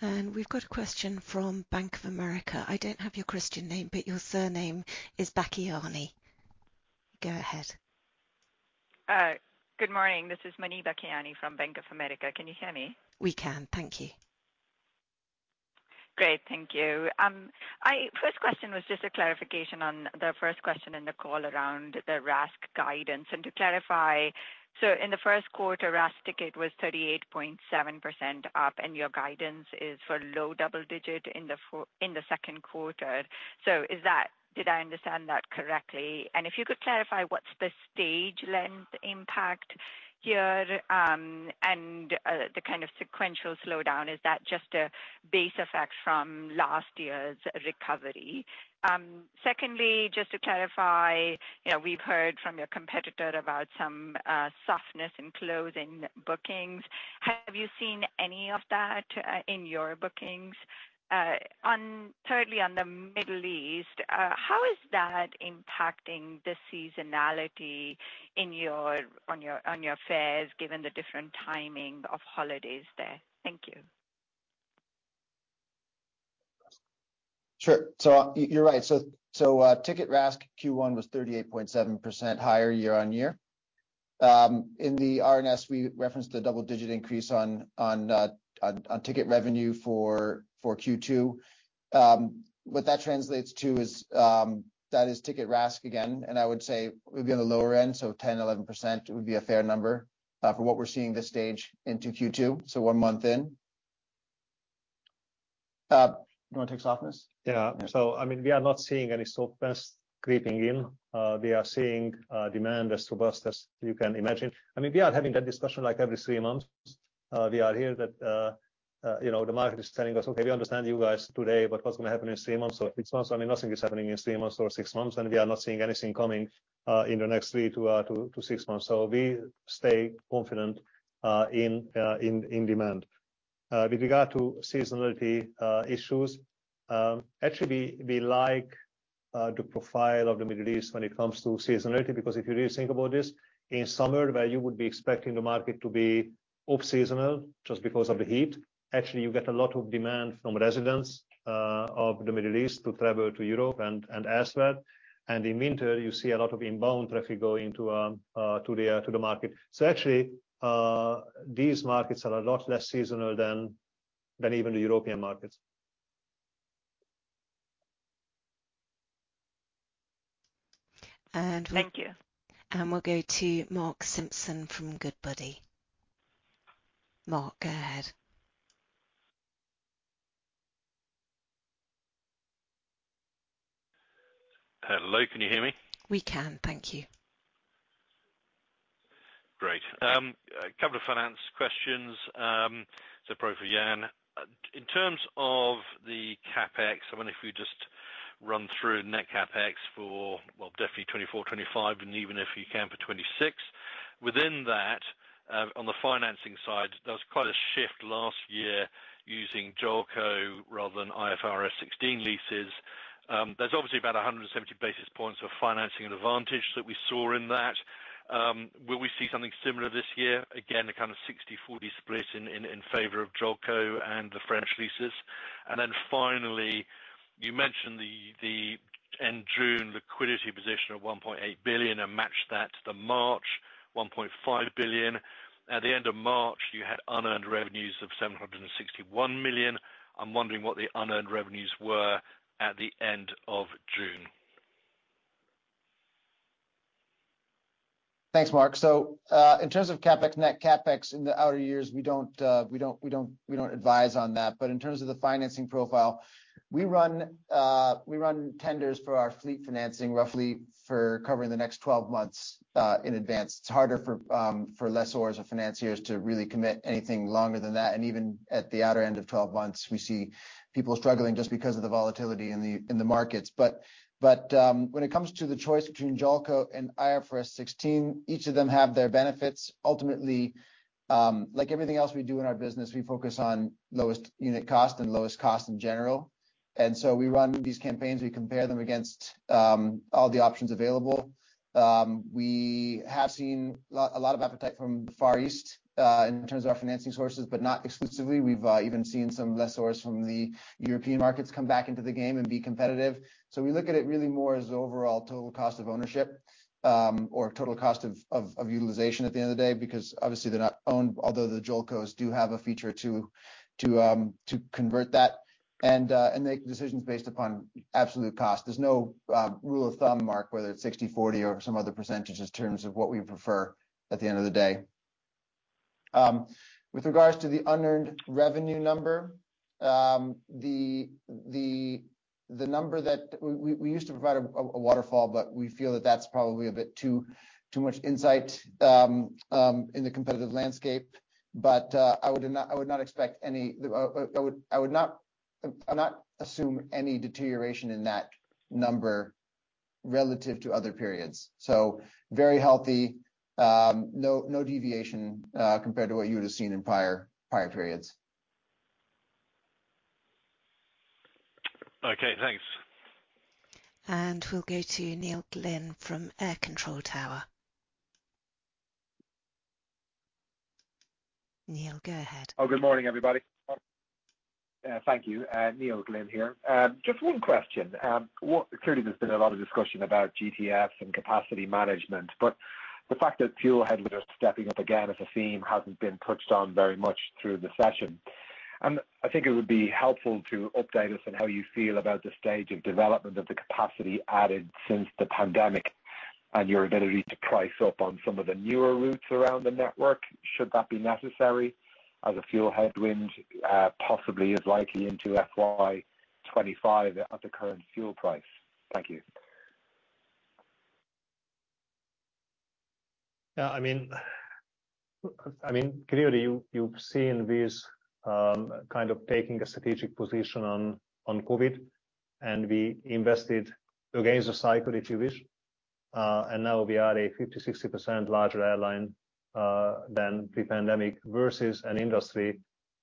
We've got a question from Bank of America. I don't have your Christian name, but your surname is Kayani. Go ahead. Good morning. This is Muneeba Kayani from Bank of America. Can you hear me? We can. Thank you. Great. Thank you. First question was just a clarification on the first question in the call around the RASK guidance. To clarify, in the first quarter, RASK ticket was 38.7% up, and your guidance is for low double digit in the second quarter. Did I understand that correctly? If you could clarify, what's the stage length impact here, the kind of sequential slowdown, is that just a base effect from last year's recovery? Secondly, just to clarify, you know, we've heard from your competitor about some softness in closing bookings. Have you seen any of that in your bookings? Thirdly, on the Middle East, how is that impacting the seasonality on your fares, given the different timing of holidays there? Thank you. Sure. You're right. Ticket RASK Q1 was 38.7% higher year-on-year. In the RNS, we referenced a double-digit increase on, on, on, on ticket revenue for, for Q2. What that translates to is, that is ticket RASK again, and I would say it would be on the lower end, so 10%, 11% would be a fair number for what we're seeing this stage into Q2, so one month in. You wanna take softness? Yeah. I mean, we are not seeing any softness creeping in. We are seeing demand as robust as you can imagine. I mean, we are having that discussion like every three months. We are here that, you know, the market is telling us, "Okay, we understand you guys today, but what's going to happen in three months or six months?" I mean, nothing is happening in three months or six months, and we are not seeing anything coming in the next three to six months. We stay confident in demand. With regard to seasonality, issues, actually, we, we like the profile of the Middle East when it comes to seasonality, because if you really think about this, in summer, where you would be expecting the market to be off seasonal just because of the heat, actually you get a lot of demand from residents of the Middle East to travel to Europe and, and elsewhere. In winter, you see a lot of inbound traffic going to the to the market. Actually, these markets are a lot less seasonal than, than even the European markets. Thank you. We'll go to Mark Simpson from Goodbody. Mark, go ahead. Hello, can you hear me? We can. Thank you. Great. A couple of finance questions, so probably for Ian. In terms of the CapEx, I mean, if you just run through net CapEx for, well, definitely 2024, 2025, and even if you can, for 2026. Within that, on the financing side, there was quite a shift last year using JOLCO rather than IFRS 16 leases. There's obviously about 170 basis points of financing advantage that we saw in that. Will we see something similar this year? Again, a kind of 60/40 split in, in, in favor of JOLCO and the French leases. Finally, you mentioned the end June liquidity position of 1.8 billion and matched that to the March 1.5 billion. At the end of March, you had unearned revenues of 761 million. I'm wondering what the unearned revenues were at the end of June. Thanks, Mark. In terms of CapEx, net CapEx in the outer years, we don't, we don't, we don't, we don't advise on that. In terms of the financing profile, we run, we run tenders for our fleet financing roughly for covering the next 12 months in advance. It's harder for for lessors or financiers to really commit anything longer than that. Even at the outer end of 12 months, we see people struggling just because of the volatility in the, in the markets. When it comes to the choice between JOLCO and IFRS 16, each of them have their benefits. Ultimately, like everything else we do in our business, we focus on lowest unit cost and lowest cost in general. We run these campaigns, we compare them against all the options available. We have seen a lot, a lot of appetite from the Far East in terms of our financing sources, but not exclusively. We've even seen some lessors from the European markets come back into the game and be competitive. We look at it really more as the overall total cost of ownership, or total cost of utilization at the end of the day, because obviously they're not owned, although the JOLCOs do have a feature to convert that and make decisions based upon absolute cost. There's no rule of thumb, Mark, whether it's 60/40 or some other percentage in terms of what we prefer at the end of the day. With regards to the unearned revenue number, the number that... We, we, we used to provide a, a, a waterfall, but we feel that that's probably a bit too, too much insight in the competitive landscape. but, I would not, I would not expect any, but I would, I would not, I would not assume any deterioration in that number relative to other periods. Very healthy, no, no deviation, compared to what you would have seen in prior, prior periods. Okay, thanks. We'll go to Neil Glynn from Air Control Tower. Neil, go ahead. Oh, good morning, everybody. Thank you. Neil Glynn here. Just one question. Clearly there's been a lot of discussion about GTFs and capacity management, but the fact that fuel headwind are stepping up again as a theme hasn't been touched on very much through the session. I think it would be helpful to update us on how you feel about the stage of development of the capacity added since the pandemic, and your ability to price up on some of the newer routes around the network, should that be necessary, as a fuel headwind possibly is likely into FY 2025 at the current fuel price. Thank you. Yeah, I mean, I mean, clearly, you, you've seen this, kind of taking a strategic position on, on COVID, and we invested against the cycle, if you wish. And now we are a 50%, 60% larger airline than pre-pandemic, versus an industry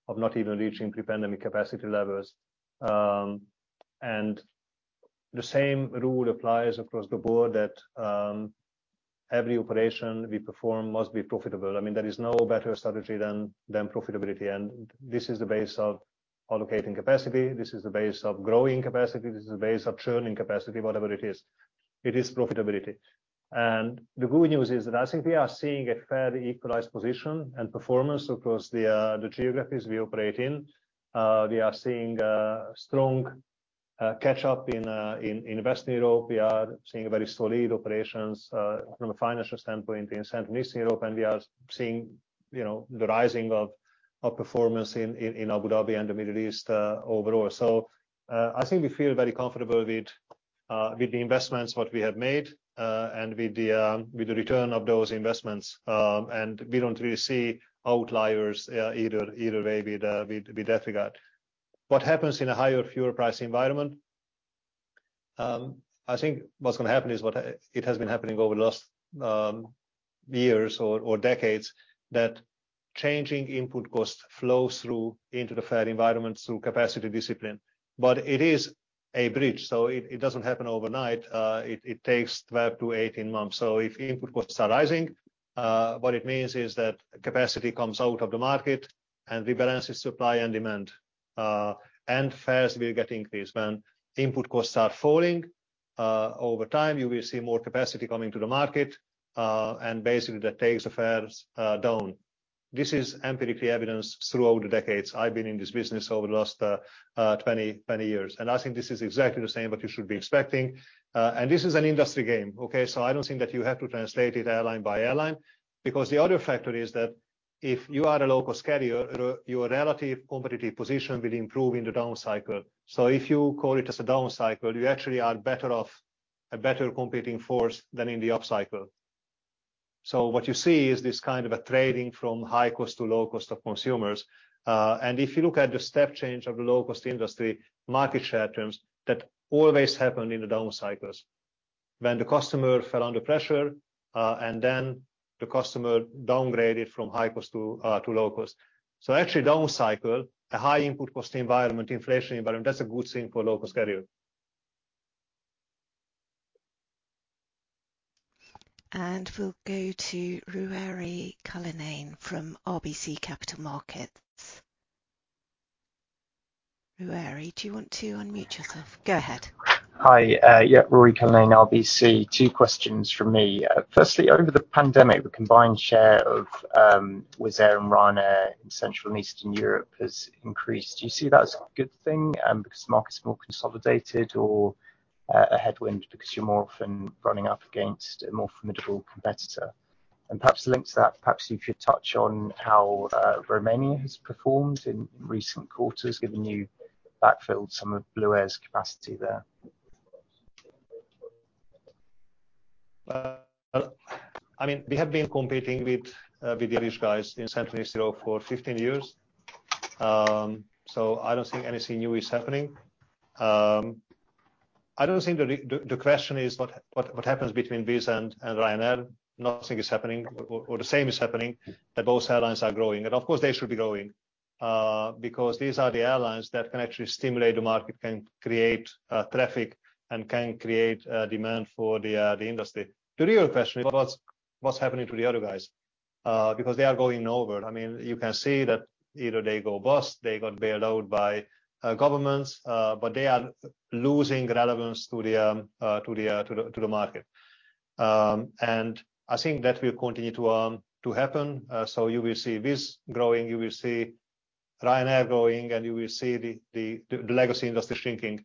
of not even reaching pre-pandemic capacity levels. And the same rule applies across the board that every operation we perform must be profitable. I mean, there is no better strategy than, than profitability, and this is the base of allocating capacity, this is the base of growing capacity, this is the base of churning capacity, whatever it is. It is profitability. And the good news is that I think we are seeing a fairly equalized position and performance across the geographies we operate in. We are seeing strong catch-up in, in Western Europe. We are seeing a very solid operations, from a financial standpoint in Central and Eastern Europe, and we are seeing, you know, the rising of, of performance in, in, in Abu Dhabi and the Middle East, overall. I think we feel very comfortable with, with the investments, what we have made, and with the, with the return of those investments. We don't really see outliers, either, either way with, with, with that regard. What happens in a higher fuel price environment? I think what's going to happen is what, it has been happening over the last, years or, or decades, that changing input costs flow through into the fare environment through capacity discipline. It is a bridge, so it, it doesn't happen overnight. It, it takes 12 to 18 months. If input costs are rising, what it means is that capacity comes out of the market and rebalances supply and demand. Fares will get increased. When input costs are falling, over time, you will see more capacity coming to the market, and basically that takes the fares down. This is empirically evidenced throughout the decades I've been in this business over the last 20, 20 years, and I think this is exactly the same what you should be expecting. This is an industry game, okay? I don't think that you have to translate it airline by airline, because the other factor is that if you are a low-cost carrier, your relative competitive position will improve in the down cycle. If you call it as a down cycle, you actually are better off, a better competing force than in the upcycle. What you see is this kind of a trading from high cost to low cost of consumers. And if you look at the step change of the low-cost industry, market share terms, that always happened in the down cycles. When the customer fell under pressure, and then the customer downgraded from high cost to to low cost. Actually, down cycle, a high input cost environment, inflation environment, that's a good thing for low-cost carrier. We'll go to Ruairi Cullinane from RBC Capital Markets. Ruairi, do you want to unmute yourself? Go ahead. Hi, yeah, Ruairi Cullinane, RBC. Two questions from me. Firstly, over the pandemic, the combined share of Wizz Air and Ryanair in Central and Eastern Europe has increased. Do you see that as a good thing, because the market is more consolidated, or a headwind because you're more often running up against a more formidable competitor? Perhaps linked to that, perhaps you could touch on how Romania has performed in recent quarters, given you backfilled some of Blue Air's capacity there. I mean, we have been competing with the Irish guys in Central and Eastern Europe for 15 years. I don't think anything new is happening. I don't think the, the question is what, what, what happens between Wizz Air and Ryanair? Nothing is happening, or the same is happening, that both airlines are growing. Of course, they should be growing, because these are the airlines that can actually stimulate the market, can create traffic and can create demand for the industry. The real question is what, what's happening to the other guys? Because they are going nowhere. I mean, you can see that either they go bust, they got bailed out by governments, they are losing relevance to the to the to the market. I think that will continue to happen. You will see Wizz growing, you will see Ryanair growing, and you will see the, the, the legacy industry shrinking.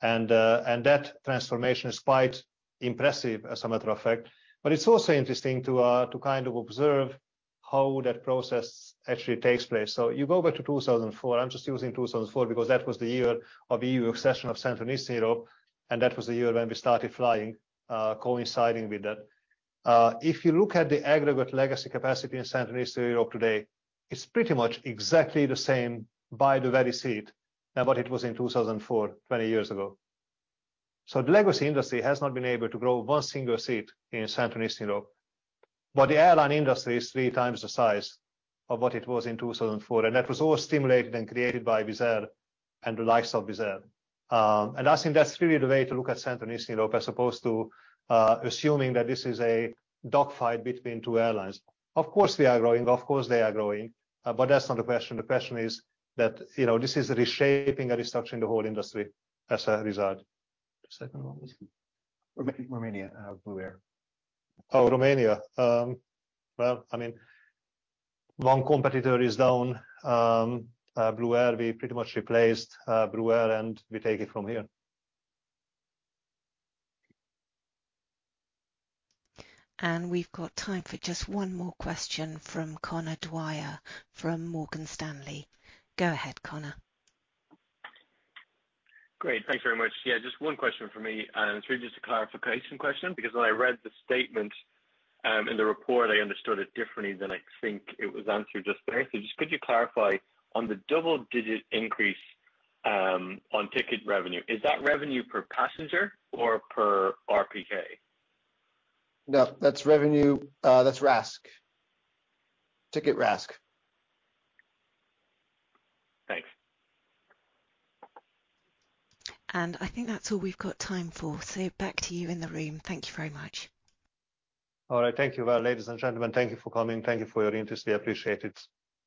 That transformation is quite impressive as a matter of fact, but it's also interesting to kind of observe how that process actually takes place. You go back to 2004, I'm just using 2004 because that was the year of EU accession of Central and Eastern Europe, and that was the year when we started flying, coinciding with that. If you look at the aggregate legacy capacity in Central and Eastern Europe today, it's pretty much exactly the same by the very seat than what it was in 2004, 20 years ago. The legacy industry has not been able to grow one single seat in Central and Eastern Europe, but the airline industry is three times the size of what it was in 2004, that was all stimulated and created by Wizz Air and the likes of Wizz Air. I think that's really the way to look at Central and Eastern Europe, as opposed to assuming that this is a dogfight between two airlines. Of course, we are growing. Of course, they are growing, but that's not the question. The question is that, you know, this is reshaping and restructuring the whole industry as a result. The second one was Romania, Blue Air. Oh, Romania. Well, I mean, one competitor is down. Blue Air, we pretty much replaced Blue Air, and we take it from here. We've got time for just one more question from Conor Dwyer, from Morgan Stanley. Go ahead, Conor. Great. Thanks very much. Yeah, just one question for me, and it's really just a clarification question, because when I read the statement in the report, I understood it differently than I think it was answered just there. Just could you clarify on the double-digit increase on ticket revenue, is that revenue per passenger or per RPK? No, that's revenue. That's RASK. Ticket RASK. Thanks. I think that's all we've got time for, so back to you in the room. Thank you very much. All right. Thank you, well, ladies and gentlemen, thank you for coming. Thank you for your interest. We appreciate it.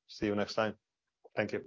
See you next time. Thank you.